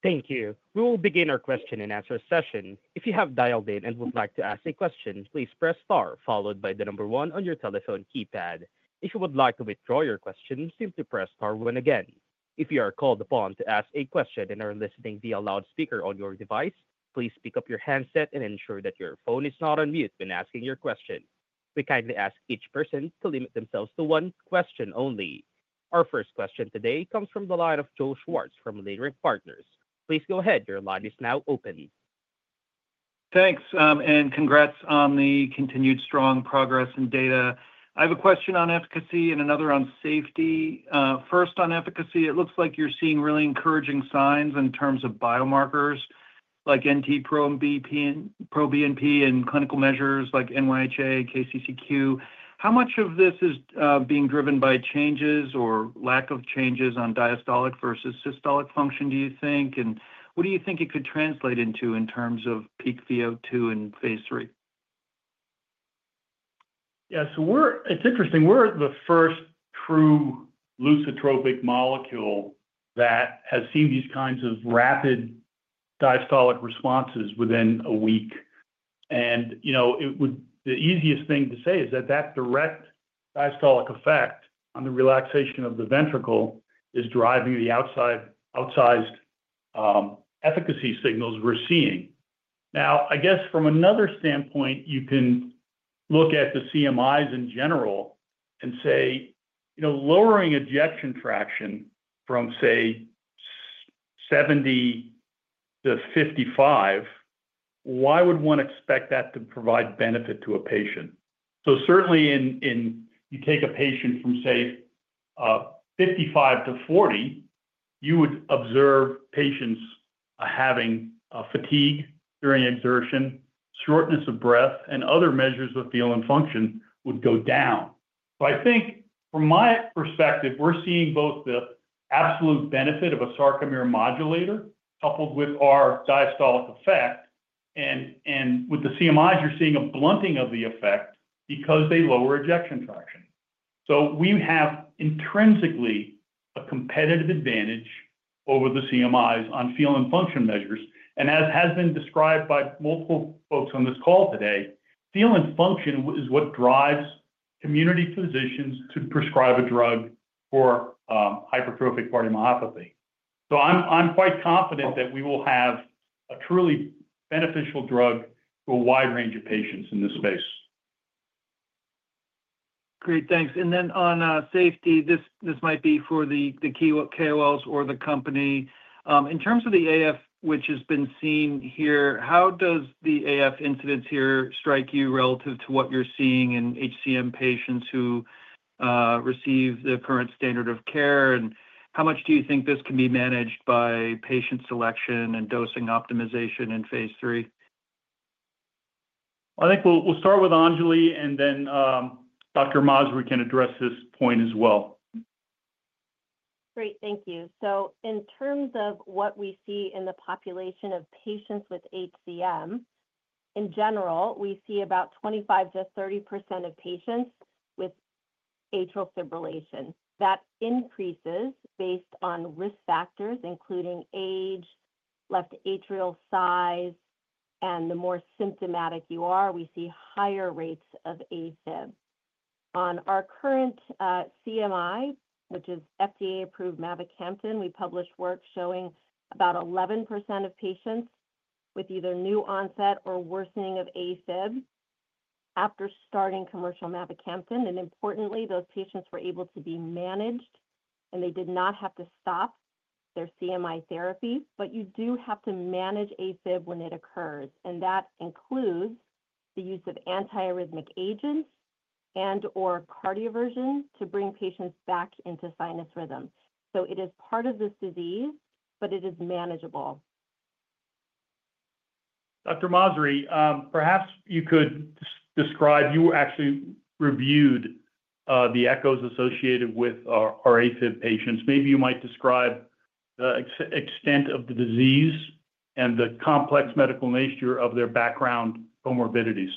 Thank you. We will begin our question and answer session. If you have dialed in and would like to ask a question, please press star followed by the number one on your telephone keypad. If you would like to withdraw your question, simply press star one again. If you are called upon to ask a question and are listening via loudspeaker on your device, please pick up your handset and ensure that your phone is not on mute when asking your question. We kindly ask each person to limit themselves to one question only. Our first question today comes from the line of Joe Schwartz from Leerink Partners. Please go ahead. Your line is now open. Thanks, and congrats on the continued strong progress in data. I have a question on efficacy and another on safety. First, on efficacy, it looks like you're seeing really encouraging signs in terms of biomarkers like NT-proBNP and clinical measures like NYHA and KCCQ. How much of this is being driven by changes or lack of changes on diastolic versus systolic function, do you think? What do you think it could translate into in terms of peak VO2 in phase III? Yeah, it's interesting. We're the first true leucotropic molecule that has seen these kinds of rapid diastolic responses within a week. The easiest thing to say is that that direct diastolic effect on the relaxation of the ventricle is driving the outsized efficacy signals we're seeing. I guess from another standpoint, you can look at the CMIs in general and say, you know, lowering ejection fraction from, say, 70 to 55, why would one expect that to provide benefit to a patient? Certainly, if you take a patient from, say, 55 to 40, you would observe patients having fatigue during exertion, shortness of breath, and other measures of feel and function would go down. I think from my perspective, we're seeing both the absolute benefit of a sarcomere modulator coupled with our diastolic effect, and with the CMIs, you're seeing a blunting of the effect because they lower ejection fraction. We have intrinsically a competitive advantage over the CMIs on feel and function measures. As has been described by multiple folks on this call today, feel and function is what drives community physicians to prescribe a drug for hypertrophic cardiomyopathy. I am quite confident that we will have a truly beneficial drug to a wide range of patients in this space. Great, thanks. On safety, this might be for the KOLs or the company. In terms of the AF, which has been seen here, how does the AF incidence here strike you relative to what you are seeing in HCM patients who receive the current standard of care? How much do you think this can be managed by patient selection and dosing optimization in phase III? I think we will start with Anjali and then Dr. Masri can address this point as well. Great, thank you. In terms of what we see in the population of patients with HCM, in general, we see about 25%-30% of patients with atrial fibrillation. That increases based on risk factors, including age, left atrial size, and the more symptomatic you are, we see higher rates of AFib. On our current CMI, which is FDA-approved Mavacamten, we published work showing about 11% of patients with either new onset or worsening of AFib after starting commercial Mavacamten. Importantly, those patients were able to be managed, and they did not have to stop their CMI therapy. You do have to manage AFib when it occurs. That includes the use of antiarrhythmic agents and/or cardioversion to bring patients back into sinus rhythm. It is part of this disease, but it is manageable. Dr. Masri, perhaps you could describe—you actually reviewed the echoes associated with our AFib patients. Maybe you might describe the extent of the disease and the complex medical nature of their background comorbidities.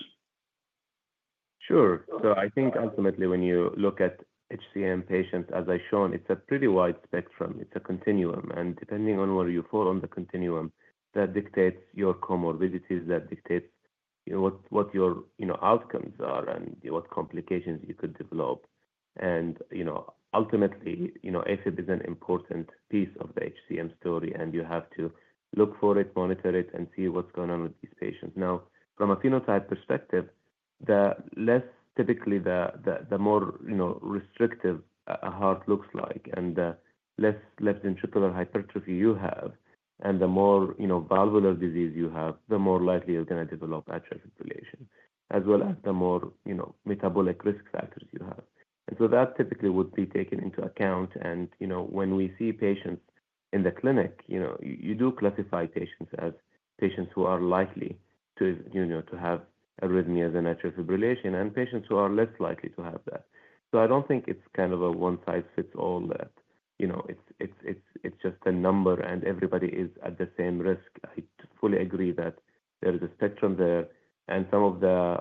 Sure. I think ultimately, when you look at HCM patients, as I've shown, it's a pretty wide spectrum. It's a continuum. Depending on where you fall on the continuum, that dictates your comorbidities, that dictates what your outcomes are and what complications you could develop. Ultimately, AFib is an important piece of the HCM story, and you have to look for it, monitor it, and see what's going on with these patients. Now, from a phenotype perspective, typically, the more restrictive a heart looks like, and the less left ventricular hypertrophy you have, and the more valvular disease you have, the more likely you're going to develop atrial fibrillation, as well as the more metabolic risk factors you have. That typically would be taken into account. When we see patients in the clinic, you do classify patients as patients who are likely to have arrhythmias and atrial fibrillation and patients who are less likely to have that. I do not think it is kind of a one-size-fits-all that it is just a number and everybody is at the same risk. I fully agree that there is a spectrum there. Some of the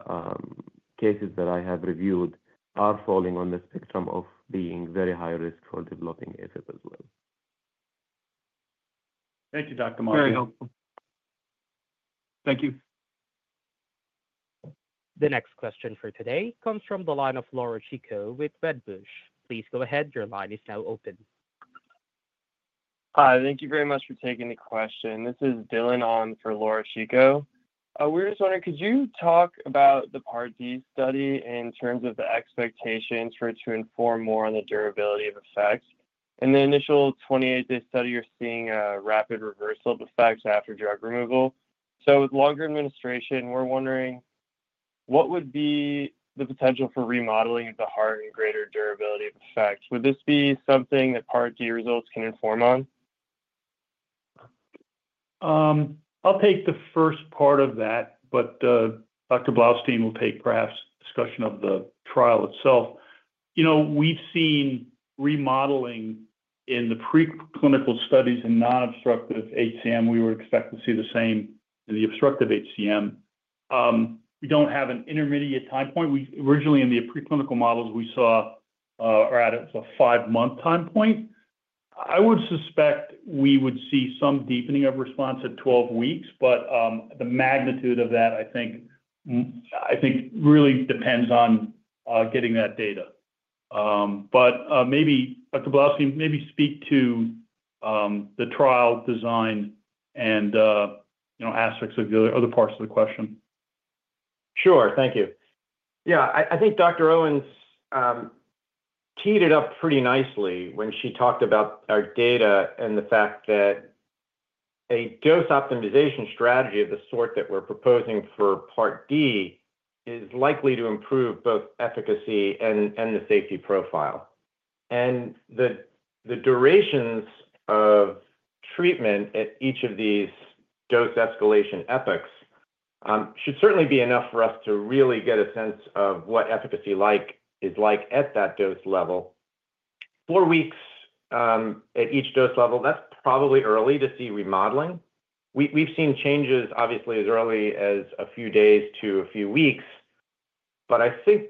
cases that I have reviewed are falling on the spectrum of being very high risk for developing AFib as well. Thank you, Dr. Masri. Very helpful. Thank you. The next question for today comes from the line of Laura Chico with Wedbush. Please go ahead. Your line is now open. Hi, thank you very much for taking the question. This is Dylan on for Laura Chico. We're just wondering, could you talk about the part D study in terms of the expectations for it to inform more on the durability of effects? In the initial 28-day study, you're seeing a rapid reversal of effects after drug removal. With longer administration, we're wondering what would be the potential for remodeling of the heart and greater durability of effects? Would this be something that part D results can inform on? I'll take the first part of that, but Dr. Blaustein will take perhaps discussion of the trial itself. We've seen remodeling in the preclinical studies in non-obstructive HCM. We would expect to see the same in the obstructive HCM. We don't have an intermediate time point. Originally, in the preclinical models, we saw—or at a five-month time point. I would suspect we would see some deepening of response at 12 weeks, but the magnitude of that, I think, really depends on getting that data. Maybe, Dr. Blaustein, maybe speak to the trial design and aspects of the other parts of the question. Sure, thank you. I think Dr. Owens teed it up pretty nicely when she talked about our data and the fact that a dose optimization strategy of the sort that we're proposing for part D is likely to improve both efficacy and the safety profile. The durations of treatment at each of these dose escalation epics should certainly be enough for us to really get a sense of what efficacy is like at that dose level. Four weeks at each dose level, that's probably early to see remodeling. We've seen changes, obviously, as early as a few days to a few weeks. I think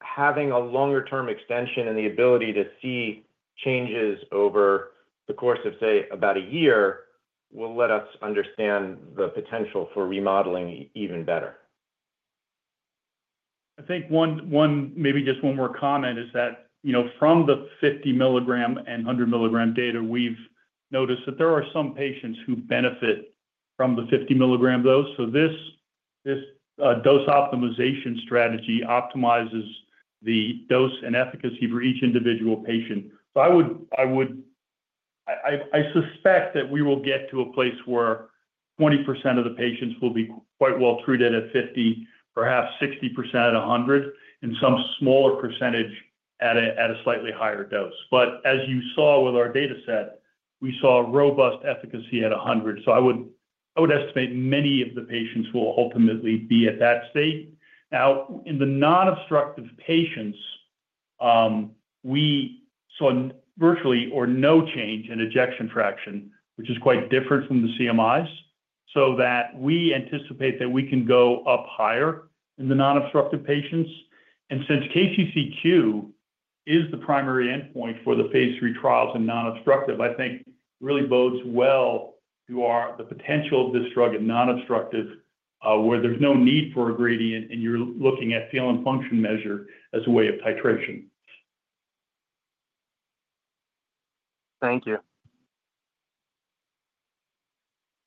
having a longer-term extension and the ability to see changes over the course of, say, about a year will let us understand the potential for remodeling even better. I think maybe just one more comment is that from the 50 ml and 100 ml data, we've noticed that there are some patients who benefit from the 50 ml dose. This dose optimization strategy optimizes the dose and efficacy for each individual patient. I suspect that we will get to a place where 20% of the patients will be quite well treated at 50 ml, perhaps 60% at 100 ml, and some smaller percentage at a slightly higher dose. As you saw with our data set, we saw robust efficacy at 100 ml. I would estimate many of the patients will ultimately be at that state. Now, in the non-obstructive patients, we saw virtually or no change in ejection fraction, which is quite different from the CMIs, so that we anticipate that we can go up higher in the non-obstructive patients. Since KCCQ is the primary endpoint for the phase III trials in non-obstructive, I think really bodes well to the potential of this drug in non-obstructive, where there's no need for a gradient, and you're looking at feel and function measure as a way of titration. Thank you.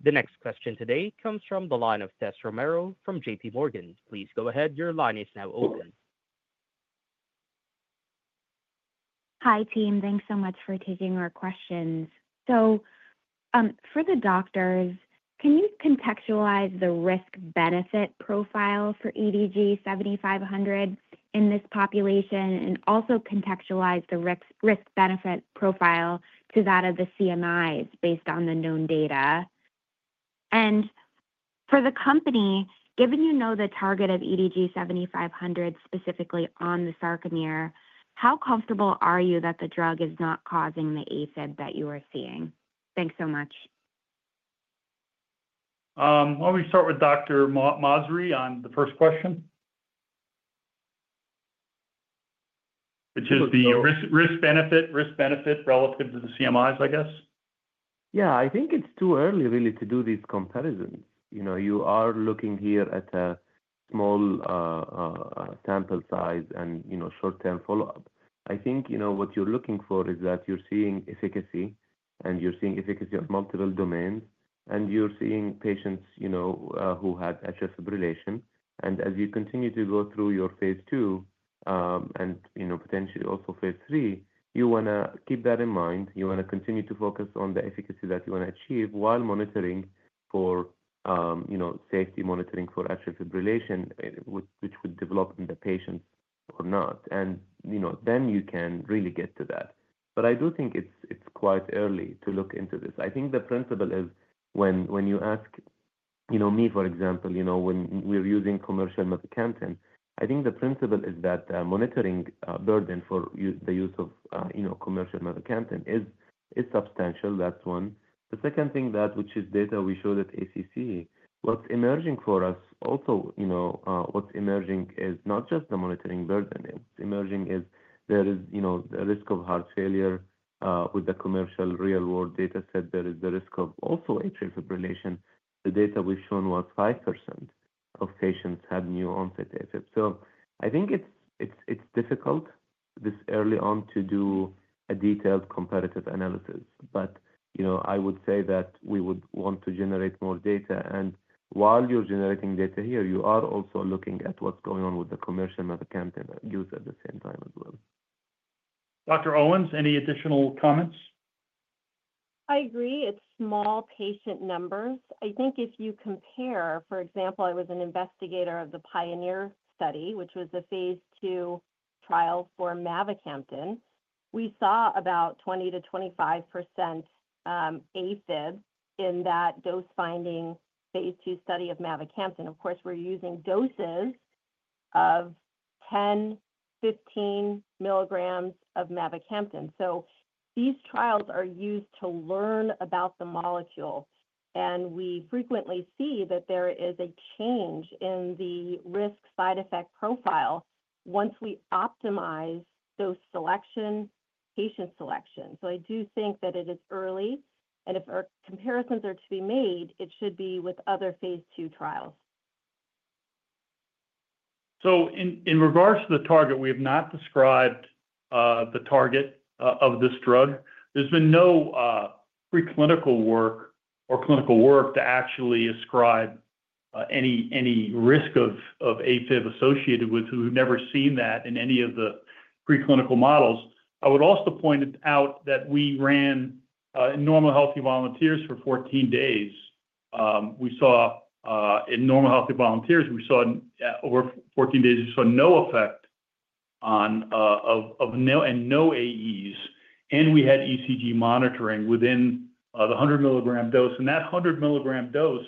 The next question today comes from the line of Tessa Romero from JPMorgan. Please go ahead. Your line is now open. Hi, team. Thanks so much for taking our questions. For the doctors, can you contextualize the risk-benefit profile for EDG-7500 in this population and also contextualize the risk-benefit profile to that of the CMIs based on the known data? For the company, given you know the target of EDG-7500 specifically on the sarcomere, how comfortable are you that the drug is not causing the AFib that you are seeing? Thanks so much. Why do we not start with Dr. Masri on the first question? Which is the risk-benefit relative to the CMIs, I guess? Yeah, I think it is too early, really, to do these comparisons. You are looking here at a small sample size and short-term follow-up. I think what you are looking for is that you are seeing efficacy, and you are seeing efficacy on multiple domains, and you are seeing patients who had atrial fibrillation. As you continue to go through your phase II and potentially also phase III, you want to keep that in mind. You want to continue to focus on the efficacy that you want to achieve while monitoring for safety, monitoring for atrial fibrillation, which would develop in the patients or not. You can really get to that. I do think it's quite early to look into this. I think the principle is when you ask me, for example, when we're using commercial Mavacamten, I think the principle is that monitoring burden for the use of commercial Mavacamten is substantial. That's one. The second thing, which is data we showed at ACC, what's emerging for us, also what's emerging is not just the monitoring burden. What's emerging is there is the risk of heart failure with the commercial real-world data set. There is the risk of also atrial fibrillation. The data we've shown was 5% of patients had new onset AFib. I think it's difficult this early on to do a detailed comparative analysis. I would say that we would want to generate more data. While you're generating data here, you are also looking at what's going on with the commercial Mavacamten use at the same time as well. Dr. Owens, any additional comments? I agree. It's small patient numbers. I think if you compare, for example, I was an investigator of the PIONEER study, which was the phase II trial for Mavacamten. We saw about 20%-25% AFib in that dose-finding phase II study of Mavacamten. Of course, we're using doses of 10, 15 ml of Mavacamten. These trials are used to learn about the molecule. We frequently see that there is a change in the risk side effect profile once we optimize those selection patient selection. I do think that it is early. If comparisons are to be made, it should be with other phase II trials. In regards to the target, we have not described the target of this drug. There's been no preclinical work or clinical work to actually ascribe any risk of AFib associated with it. We've never seen that in any of the preclinical models. I would also point out that we ran normal healthy volunteers for 14 days. We saw in normal healthy volunteers, we saw over 14 days, we saw no effect on and no AEs. We had ECG monitoring within the 100 ml dose. That 100 ml dose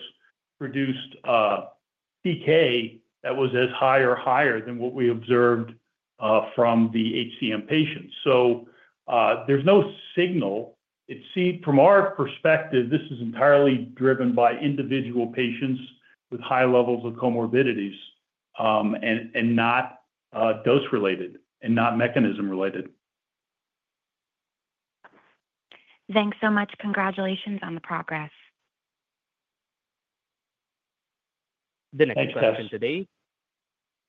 produced CK that was as high or higher than what we observed from the HCM patients. There's no signal. From our perspective, this is entirely driven by individual patients with high levels of comorbidities and not dose-related and not mechanism-related. Thanks so much. Congratulations on the progress. The next question today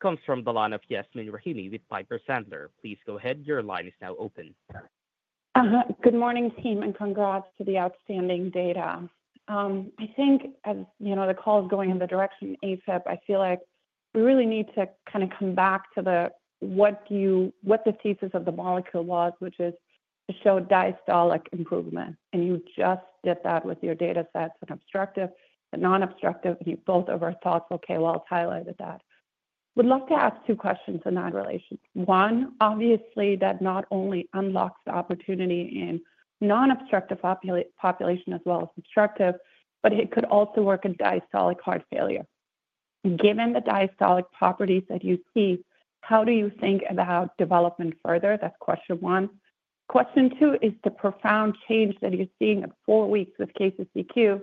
comes from the line of Yasmeen Rahimi with Piper Sandler. Please go ahead. Your line is now open. Good morning, team. And congrats to the outstanding data. I think as the call is going in the direction of AFib, I feel like we really need to kind of come back to what the thesis of the molecule was, which is to show diastolic improvement. And you just did that with your data sets on obstructive and non-obstructive. And you both of our thoughts, KOL, highlighted that. Would love to ask two questions in that relation. One, obviously, that not only unlocks the opportunity in non-obstructive population as well as obstructive, but it could also work in diastolic heart failure. Given the diastolic properties that you see, how do you think about development further? That is question one. Question two is the profound change that you are seeing at four weeks with KCCQ,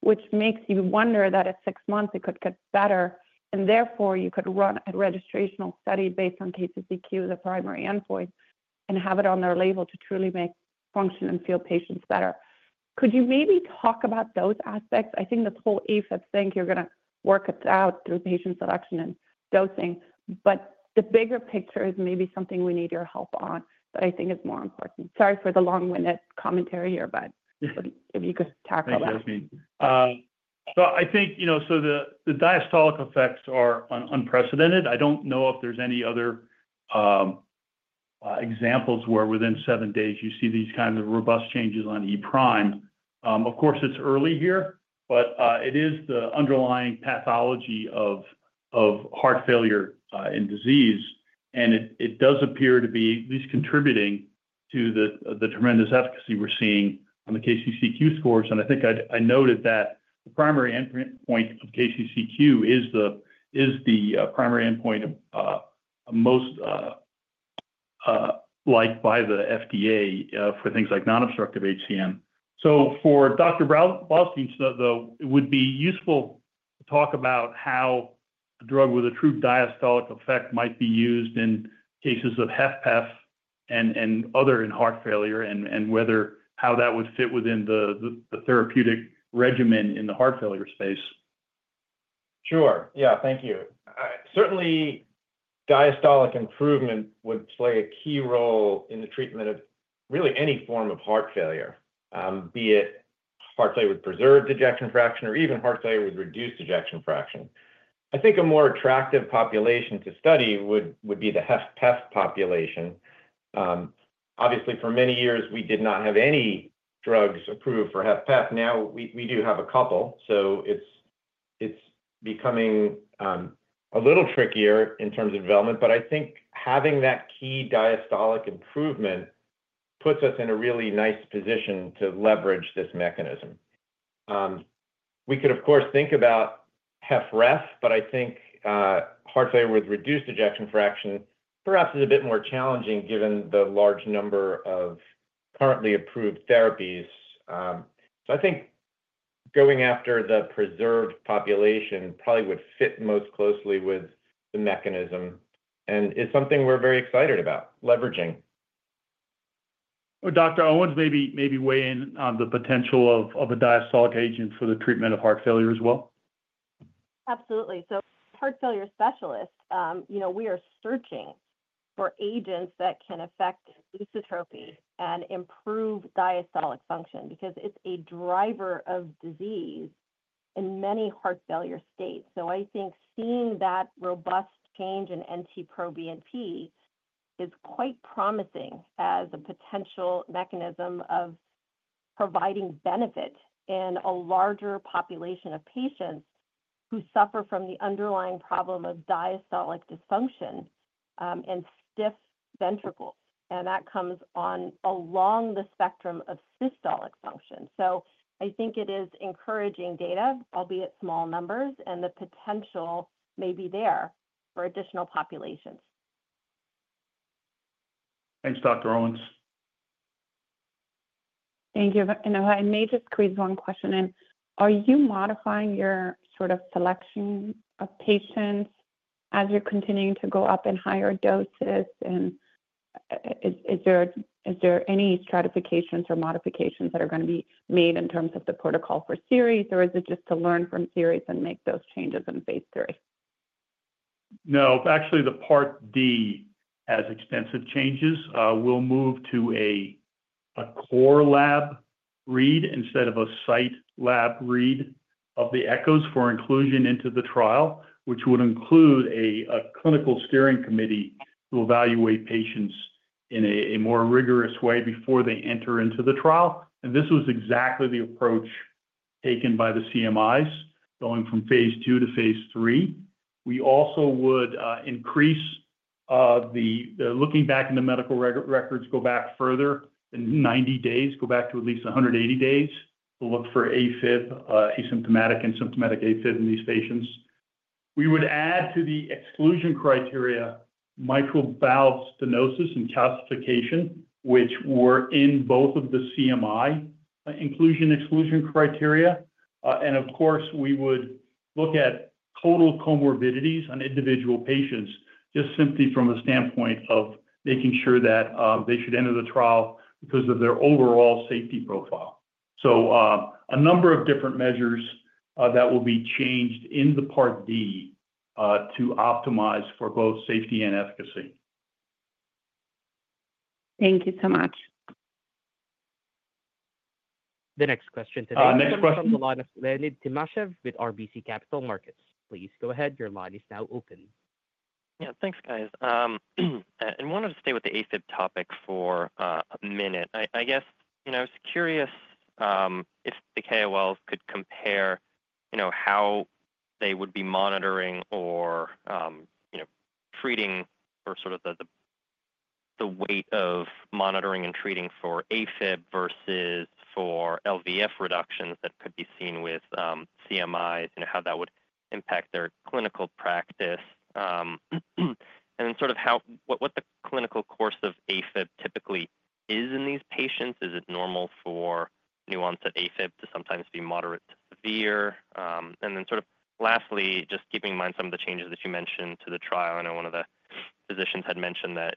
which makes you wonder that at six months, it could get better. Therefore, you could run a registrational study based on KCCQ as a primary endpoint and have it on their label to truly make function and feel patients better. Could you maybe talk about those aspects? I think the whole AFib thing, you are going to work it out through patient selection and dosing. The bigger picture is maybe something we need your help on that I think is more important. Sorry for the long-winded commentary here, but if you could tackle that. Thanks, Yasmeen. I think the diastolic effects are unprecedented. I do not know if there are any other examples where within seven days, you see these kinds of robust changes on e'. Of course, it is early here, but it is the underlying pathology of heart failure and disease. It does appear to be at least contributing to the tremendous efficacy we are seeing on the KCCQ scores. I think I noted that the primary endpoint of KCCQ is the primary endpoint most liked by the FDA for things like non-obstructive HCM. For Dr. Blaustein, though, it would be useful to talk about how a drug with a true diastolic effect might be used in cases of HFpEF and other in heart failure and how that would fit within the therapeutic regimen in the heart failure space. Sure. Yeah, thank you. Certainly, diastolic improvement would play a key role in the treatment of really any form of heart failure, be it heart failure with preserved ejection fraction or even heart failure with reduced ejection fraction. I think a more attractive population to study would be the HFpEF population. Obviously, for many years, we did not have any drugs approved for HFpEF. Now, we do have a couple. It is becoming a little trickier in terms of development. I think having that key diastolic improvement puts us in a really nice position to leverage this mechanism. We could, of course, think about HFref, but I think heart failure with reduced ejection fraction perhaps is a bit more challenging given the large number of currently approved therapies. I think going after the preserved population probably would fit most closely with the mechanism and is something we are very excited about leveraging. Dr. Owens, maybe weigh in on the potential of a diastolic agent for the treatment of heart failure as well? Absolutely. Heart failure specialists, we are searching for agents that can affect dysentropy and improve diastolic function because it's a driver of disease in many heart failure states. I think seeing that robust change in NT-proBNP is quite promising as a potential mechanism of providing benefit in a larger population of patients who suffer from the underlying problem of diastolic dysfunction and stiff ventricles. That comes along the spectrum of systolic function. I think it is encouraging data, albeit small numbers, and the potential may be there for additional populations. Thanks, Dr. Owens. Thank you. If I may just squeeze one question in. Are you modifying your sort of selection of patients as you're continuing to go up in higher doses? Is there any stratifications or modifications that are going to be made in terms of the protocol for series? Or is it just to learn from series and make those changes in phase III? No. Actually, the part D has extensive changes. We'll move to a core lab read instead of a site lab read of the echoes for inclusion into the trial, which would include a clinical steering committee to evaluate patients in a more rigorous way before they enter into the trial. This was exactly the approach taken by the CMIs going from phase II to phase III. We also would increase the looking back in the medical records, go back further than 90 days, go back to at least 180 days to look for asymptomatic and symptomatic AFib in these patients. We would add to the exclusion criteria mitral valve stenosis and calcification, which were in both of the CMI inclusion exclusion criteria. Of course, we would look at total comorbidities on individual patients just simply from the standpoint of making sure that they should enter the trial because of their overall safety profile. A number of different measures will be changed in the part D to optimize for both safety and efficacy. Thank you so much. The next question today comes from the line of Leonid Timashev with RBC Capital Markets. Please go ahead. Your line is now open. Yeah. Thanks, guys. Wanted to stay with the AFib topic for a minute. I guess I was curious if the KOLs could compare how they would be monitoring or treating or sort of the weight of monitoring and treating for AFib versus for LVF reductions that could be seen with CMIs, how that would impact their clinical practice, and then sort of what the clinical course of AFib typically is in these patients. Is it normal for new-onset AFib to sometimes be moderate to severe? Lastly, just keeping in mind some of the changes that you mentioned to the trial. I know one of the physicians had mentioned that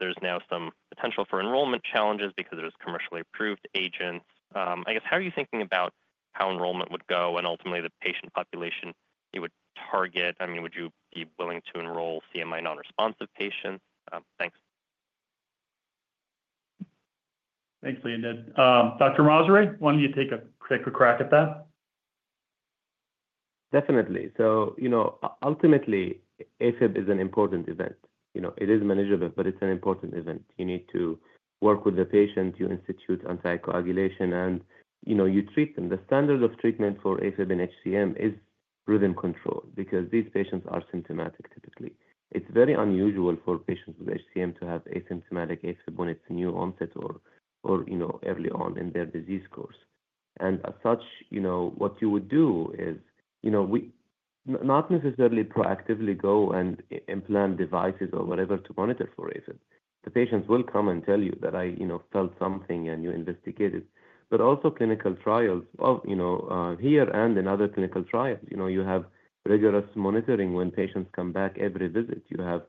there's now some potential for enrollment challenges because there's commercially approved agents. I guess, how are you thinking about how enrollment would go and ultimately the patient population you would target? I mean, would you be willing to enroll CMI non-responsive patients? Thanks. Thanks, Leonid. Dr. Masri, why don't you take a quick crack at that? Definitely. Ultimately, AFib is an important event. It is manageable, but it's an important event. You need to work with the patient. You institute anticoagulation, and you treat them. The standard of treatment for AFib in HCM is rhythm control because these patients are symptomatic typically. It is very unusual for patients with HCM to have asymptomatic AFib when it's new onset or early on in their disease course. As such, what you would do is not necessarily proactively go and implant devices or whatever to monitor for AFib. The patients will come and tell you that, "I felt something," and you investigate it. Also, clinical trials here and in other clinical trials, you have rigorous monitoring when patients come back every visit. You have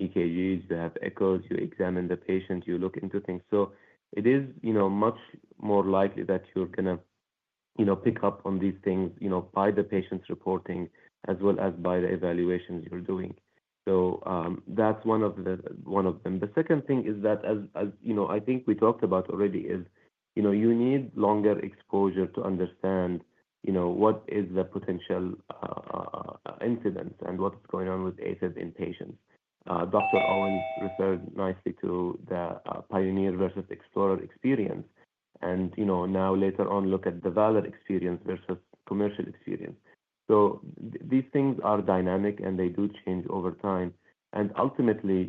EKGs. You have echoes. You examine the patient. You look into things. It is much more likely that you're going to pick up on these things by the patient's reporting as well as by the evaluations you're doing. That's one of them. The second thing is that, as I think we talked about already, you need longer exposure to understand what is the potential incidence and what's going on with AFib in patients. Dr. Owens referred nicely to the PIONEER versus EXPLORER experience. Now, later on, look at the VALOR experience versus commercial experience. These things are dynamic, and they do change over time. Ultimately,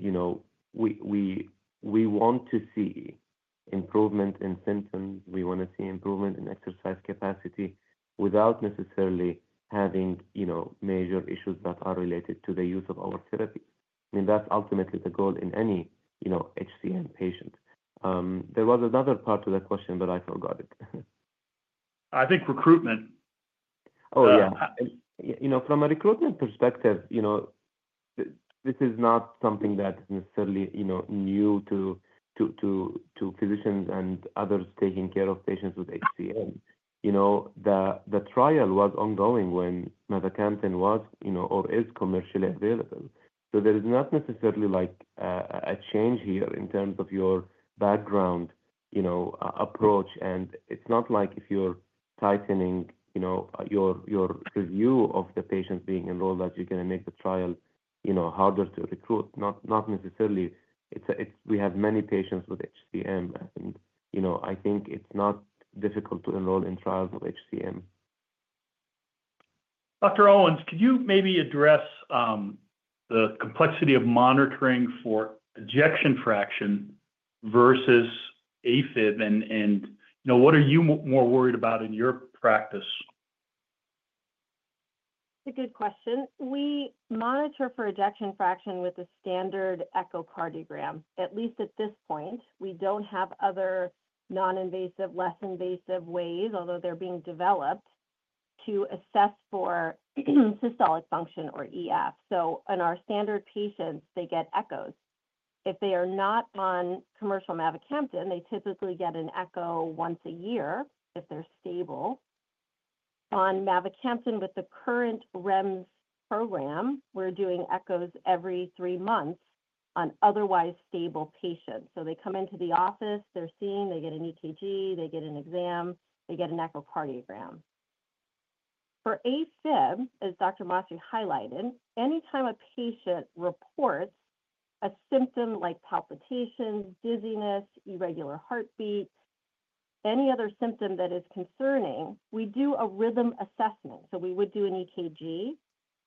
we want to see improvement in symptoms. We want to see improvement in exercise capacity without necessarily having major issues that are related to the use of our therapy. I mean, that's ultimately the goal in any HCM patient. There was another part to the question, but I forgot it. I think recruitment. Oh, yeah. From a recruitment perspective, this is not something that is necessarily new to physicians and others taking care of patients with HCM. The trial was ongoing when Mavacamten was or is commercially available. There is not necessarily a change here in terms of your background approach. It's not like if you're tightening your review of the patients being enrolled that you're going to make the trial harder to recruit. Not necessarily. We have many patients with HCM, and I think it's not difficult to enroll in trials with HCM. Dr. Owens, could you maybe address the complexity of monitoring for ejection fraction versus AFib? What are you more worried about in your practice? It's a good question. We monitor for ejection fraction with a standard echocardiogram, at least at this point. We do not have other non-invasive, less invasive ways, although they are being developed to assess for systolic function or EF. In our standard patients, they get echoes. If they are not on commercial Mavacamten, they typically get an echo once a year if they are stable. On Mavacamten with the current REMS program, we are doing echoes every three months on otherwise stable patients. They come into the office, they are seen, they get an EKG, they get an exam, they get an echocardiogram. For AFib, as Dr. Masri highlighted, anytime a patient reports a symptom like palpitations, dizziness, irregular heartbeat, any other symptom that is concerning, we do a rhythm assessment. We would do an EKG,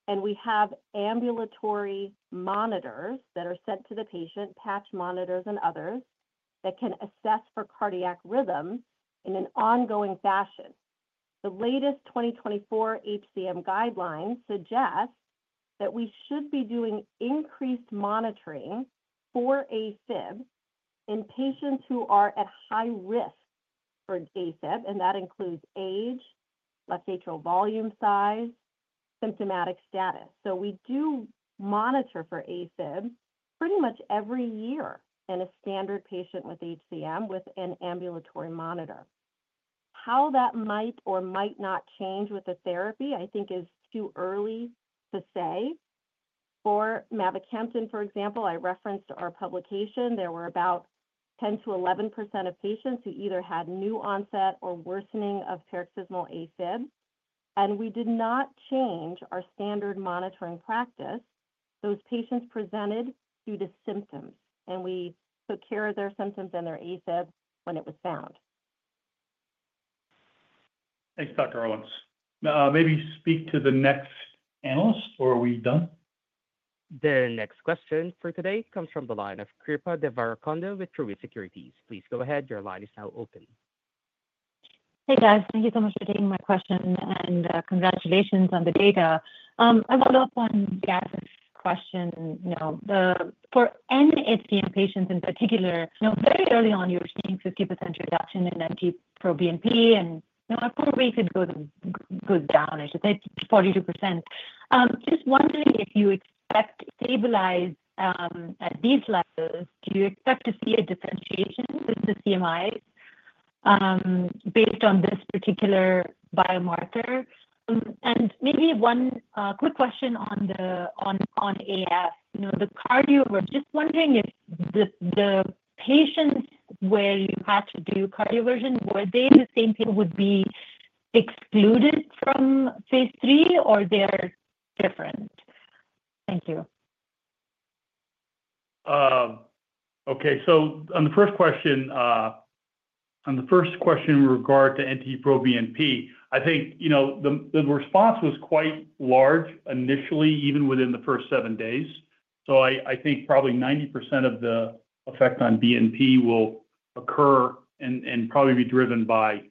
and we have ambulatory monitors that are sent to the patient, patch monitors and others that can assess for cardiac rhythm in an ongoing fashion. The latest 2024 HCM guidelines suggest that we should be doing increased monitoring for AFib in patients who are at high risk for AFib, and that includes age, left atrial volume size, symptomatic status. We do monitor for AFib pretty much every year in a standard patient with HCM with an ambulatory monitor. How that might or might not change with the therapy, I think, is too early to say. For Mavacamten, for example, I referenced our publication. There were about 10%-11% of patients who either had new onset or worsening of paroxysmal AFib. We did not change our standard monitoring practice. Those patients presented due to symptoms, and we took care of their symptoms and their AFib when it was found. Thanks, Dr. Owens. Maybe speak to the next analyst, or are we done? The next question for today comes from the line of Srikripa Devarakonda with Truist Securities. Please go ahead. Your line is now open. Hey, guys. Thank you so much for taking my question, and congratulations on the data. I want to open Gavin's question. For nHCM patients in particular, very early on, you were seeing 50% reduction in NT-proBNP, and our core rate goes down, I should say, 42%. Just wondering if you expect stabilized at these levels, do you expect to see a differentiation with the CMIs based on this particular biomarker? And maybe one quick question on AF. The cardioversion, just wondering if the patients where you had to do cardioversion, were they the same people who would be excluded from phase III, or they're different? Thank you. Okay. On the first question in regard to NT-proBNP, I think the response was quite large initially, even within the first seven days. I think probably 90% of the effect on BNP will occur and probably be driven by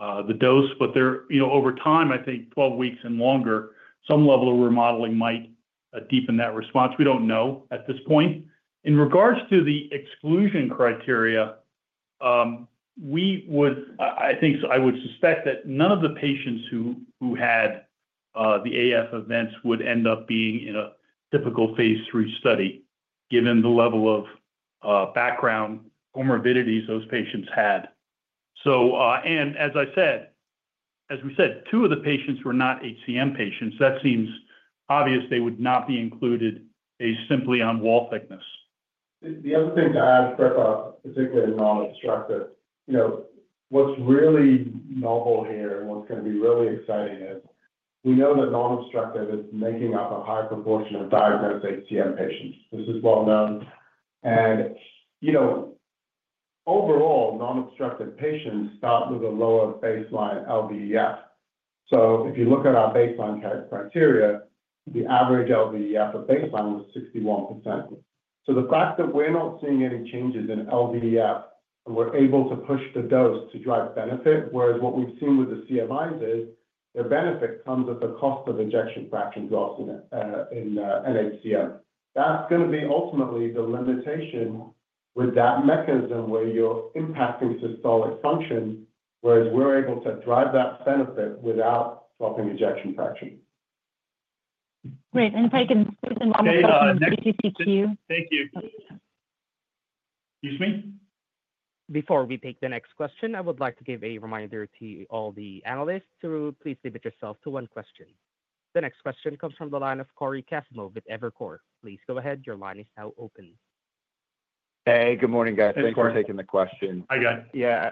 the dose. Over time, I think 12 weeks and longer, some level of remodeling might deepen that response. We do not know at this point. In regards to the exclusion criteria, I think I would suspect that none of the patients who had the AF events would end up being in a typical phase III study given the level of background comorbidities those patients had. As I said, as we said, two of the patients were not HCM patients. That seems obvious they would not be included simply on wall thickness. The other thing to add, Srikripa, particularly in non-obstructive, what's really novel here and what's going to be really exciting is we know that non-obstructive is making up a high proportion of diagnosed HCM patients. This is well-known. Overall, non-obstructive patients start with a lower baseline LVEF. If you look at our baseline criteria, the average LVEF at baseline was 61%. The fact that we're not seeing any changes in LVEF and we're able to push the dose to drive benefit, whereas what we've seen with the CMIs is their benefit comes at the cost of ejection fraction drops in HCM. That is going to be ultimately the limitation with that mechanism where you're impacting systolic function, whereas we're able to drive that benefit without dropping ejection fraction. Great. If I can say something about the KCCQ. Thank you. Excuse me? Before we take the next question, I would like to give a reminder to all the analysts to please leave it yourself to one question. The next question comes from the line of Cory Kasimov with Evercore. Please go ahead. Your line is now open. Hey, good morning, guys. Thanks for taking the question. Hi, guys. Yeah.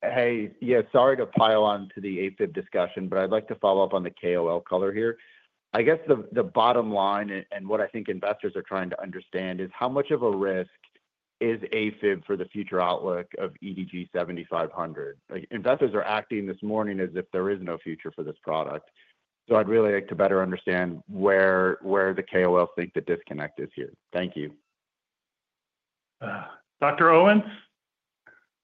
Hey. Yeah. Sorry to pile on to the AFib discussion, but I'd like to follow up on the KOL color here. I guess the bottom line and what I think investors are trying to understand is how much of a risk is AFib for the future outlook of EDG-7500? Investors are acting this morning as if there is no future for this product. I would really like to better understand where the KOLs think the disconnect is here. Thank you. Dr. Owens?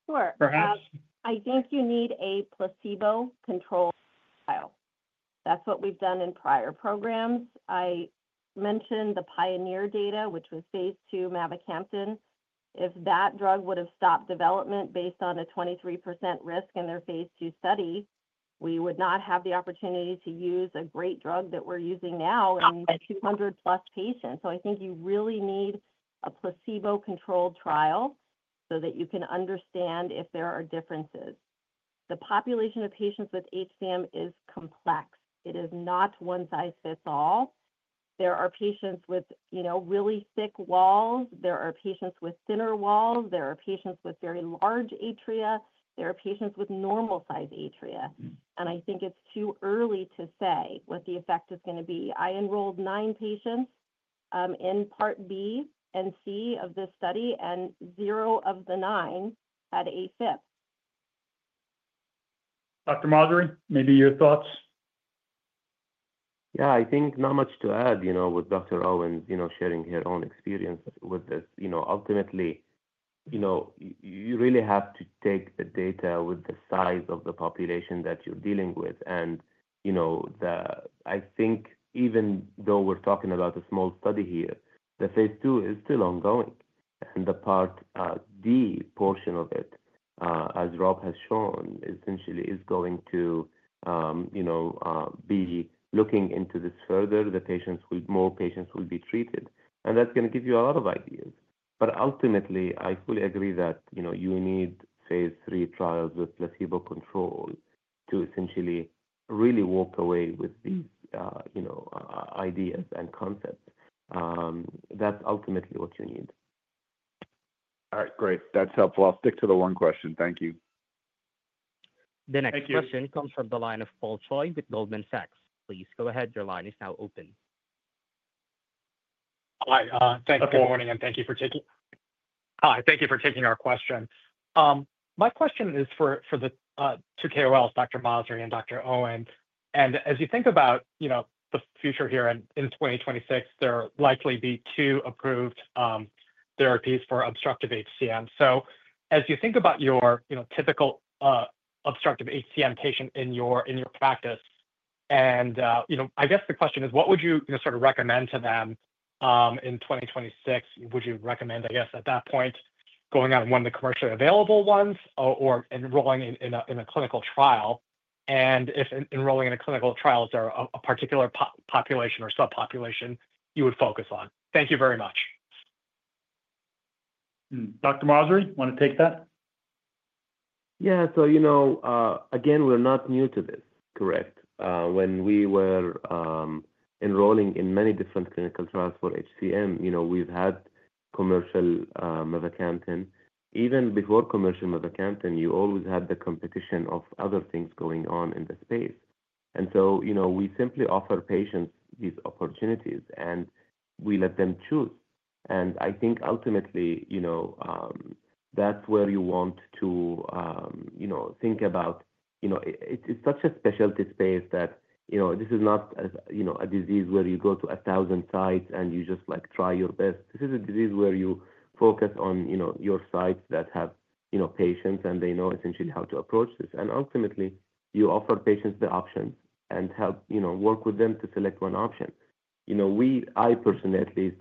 Sure. Perhaps. I think you need a placebo control trial. That's what we've done in prior programs. I mentioned the PIONEER data, which was phase II Mavacamten. If that drug would have stopped development based on a 23% risk in their phase II study, we would not have the opportunity to use a great drug that we're using now in 200+ patients. I think you really need a placebo-controlled trial so that you can understand if there are differences. The population of patients with HCM is complex. It is not one-size-fits-all. There are patients with really thick walls. There are patients with thinner walls. There are patients with very large atria. There are patients with normal-sized atria. I think it's too early to say what the effect is going to be. I enrolled nine patients in part B and C of this study, and zero of the nine had AFib. Dr. Masri, maybe your thoughts? Yeah. I think not much to add with Dr. Owens sharing her own experience with this. Ultimately, you really have to take the data with the size of the population that you're dealing with. I think even though we're talking about a small study here, the phase II is still ongoing. The part D portion of it, as Rob has shown, essentially is going to be looking into this further. The patients, more patients will be treated. That's going to give you a lot of ideas. Ultimately, I fully agree that you need phase III trials with placebo control to essentially really walk away with these ideas and concepts. That's ultimately what you need. All right. Great. That's helpful. I'll stick to the one question. Thank you. The next question comes from the line of Paul Choi with Goldman Sachs. Please go ahead. Your line is now open. Hi. Thanks. Good morning. Thank you for taking—hi. Thank you for taking our question. My question is for the two KOLs, Dr. Masri and Dr. Owens. As you think about the future here in 2026, there will likely be two approved therapies for obstructive HCM. As you think about your typical obstructive HCM patient in your practice, I guess the question is, what would you sort of recommend to them in 2026? Would you recommend, I guess, at that point, going on one of the commercially available ones or enrolling in a clinical trial? If enrolling in a clinical trial, is there a particular population or subpopulation you would focus on? Thank you very much. Dr. Masri, want to take that? Yeah. Again, we're not new to this. Correct. When we were enrolling in many different clinical trials for HCM, we've had commercial Mavacamten. Even before commercial Mavacamten, you always had the competition of other things going on in the space. We simply offer patients these opportunities, and we let them choose. I think ultimately, that's where you want to think about. It's such a specialty space that this is not a disease where you go to 1,000 sites and you just try your best. This is a disease where you focus on your sites that have patients, and they know essentially how to approach this. Ultimately, you offer patients the options and help work with them to select one option. I personally, at least,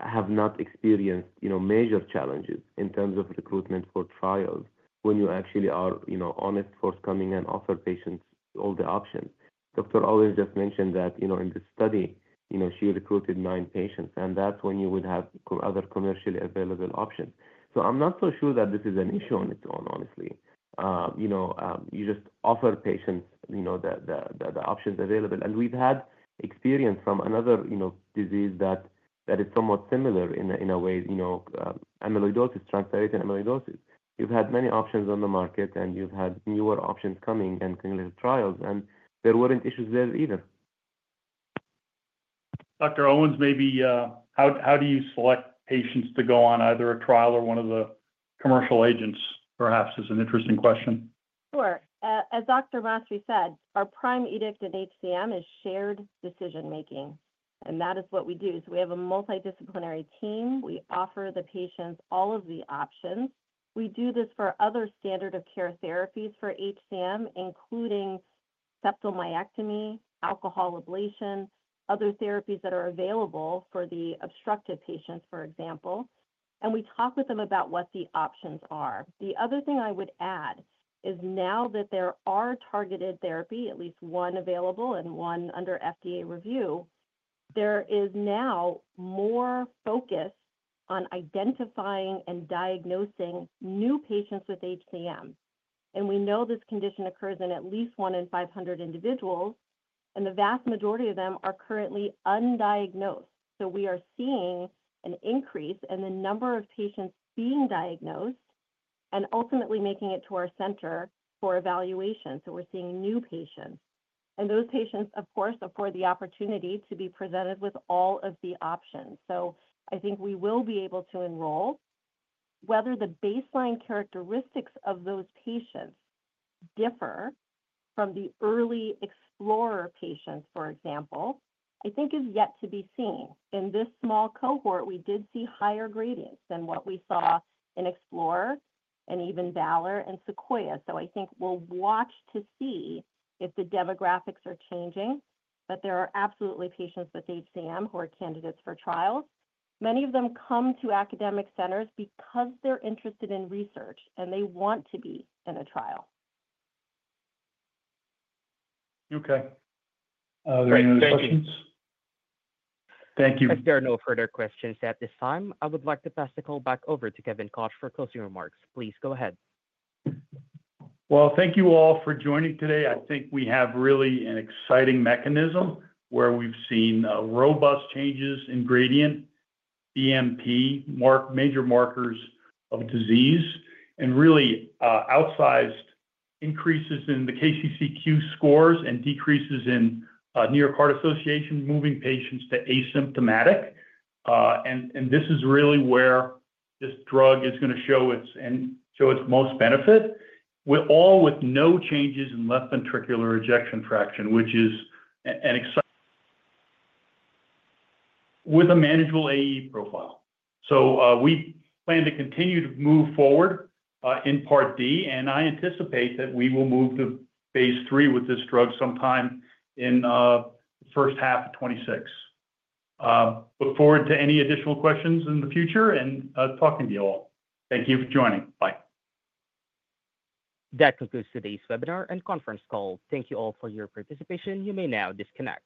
have not experienced major challenges in terms of recruitment for trials when you actually are honest, forthcoming, and offer patients all the options. Dr. Owens just mentioned that in the study, she recruited nine patients, and that's when you would have other commercially available options. I'm not so sure that this is an issue on its own, honestly. You just offer patients the options available. We've had experience from another disease that is somewhat similar in a way, amyloidosis, transthyretin amyloidosis. You've had many options on the market, and you've had newer options coming and clinical trials, and there weren't issues there either. Dr. Owens, maybe how do you select patients to go on either a trial or one of the commercial agents, perhaps, is an interesting question. Sure. As Dr. Masri said, our prime edict in HCM is shared decision-making, and that is what we do. We have a multidisciplinary team. We offer the patients all of the options. We do this for other standard of care therapies for HCM, including septal myectomy, alcohol ablation, other therapies that are available for the obstructive patients, for example. We talk with them about what the options are. The other thing I would add is now that there are targeted therapies, at least one available and one under FDA review, there is now more focus on identifying and diagnosing new patients with HCM. We know this condition occurs in at least one in 500 individuals, and the vast majority of them are currently undiagnosed. We are seeing an increase in the number of patients being diagnosed and ultimately making it to our center for evaluation. We are seeing new patients. Those patients, of course, afford the opportunity to be presented with all of the options. I think we will be able to enroll. Whether the baseline characteristics of those patients differ from the early EPLORER patients, for example, I think is yet to be seen. In this small cohort, we did see higher gradients than what we saw in EXPLORER and even VALOR and SEQUOIA. I think we'll watch to see if the demographics are changing. There are absolutely patients with HCM who are candidates for trials. Many of them come to academic centers because they're interested in research, and they want to be in a trial. Okay. Are there any other questions? Thank you. If there are no further questions at this time, I would like to pass the call back over to Kevin Koch for closing remarks. Please go ahead. Thank you all for joining today. I think we have really an exciting mechanism where we've seen robust changes in gradient, BNP, major markers of disease, and really outsized increases in the KCCQ scores and decreases in New York Heart Association moving patients to asymptomatic. This is really where this drug is going to show its most benefit, all with no changes in left ventricular ejection fraction, which is exciting with a manageable AE profile. We plan to continue to move forward in part D, and I anticipate that we will move to phase III with this drug sometime in the first half of 2026. Look forward to any additional questions in the future and talking to you all. Thank you for joining. Bye. That concludes today's webinar and conference call. Thank you all for your participation. You may now disconnect.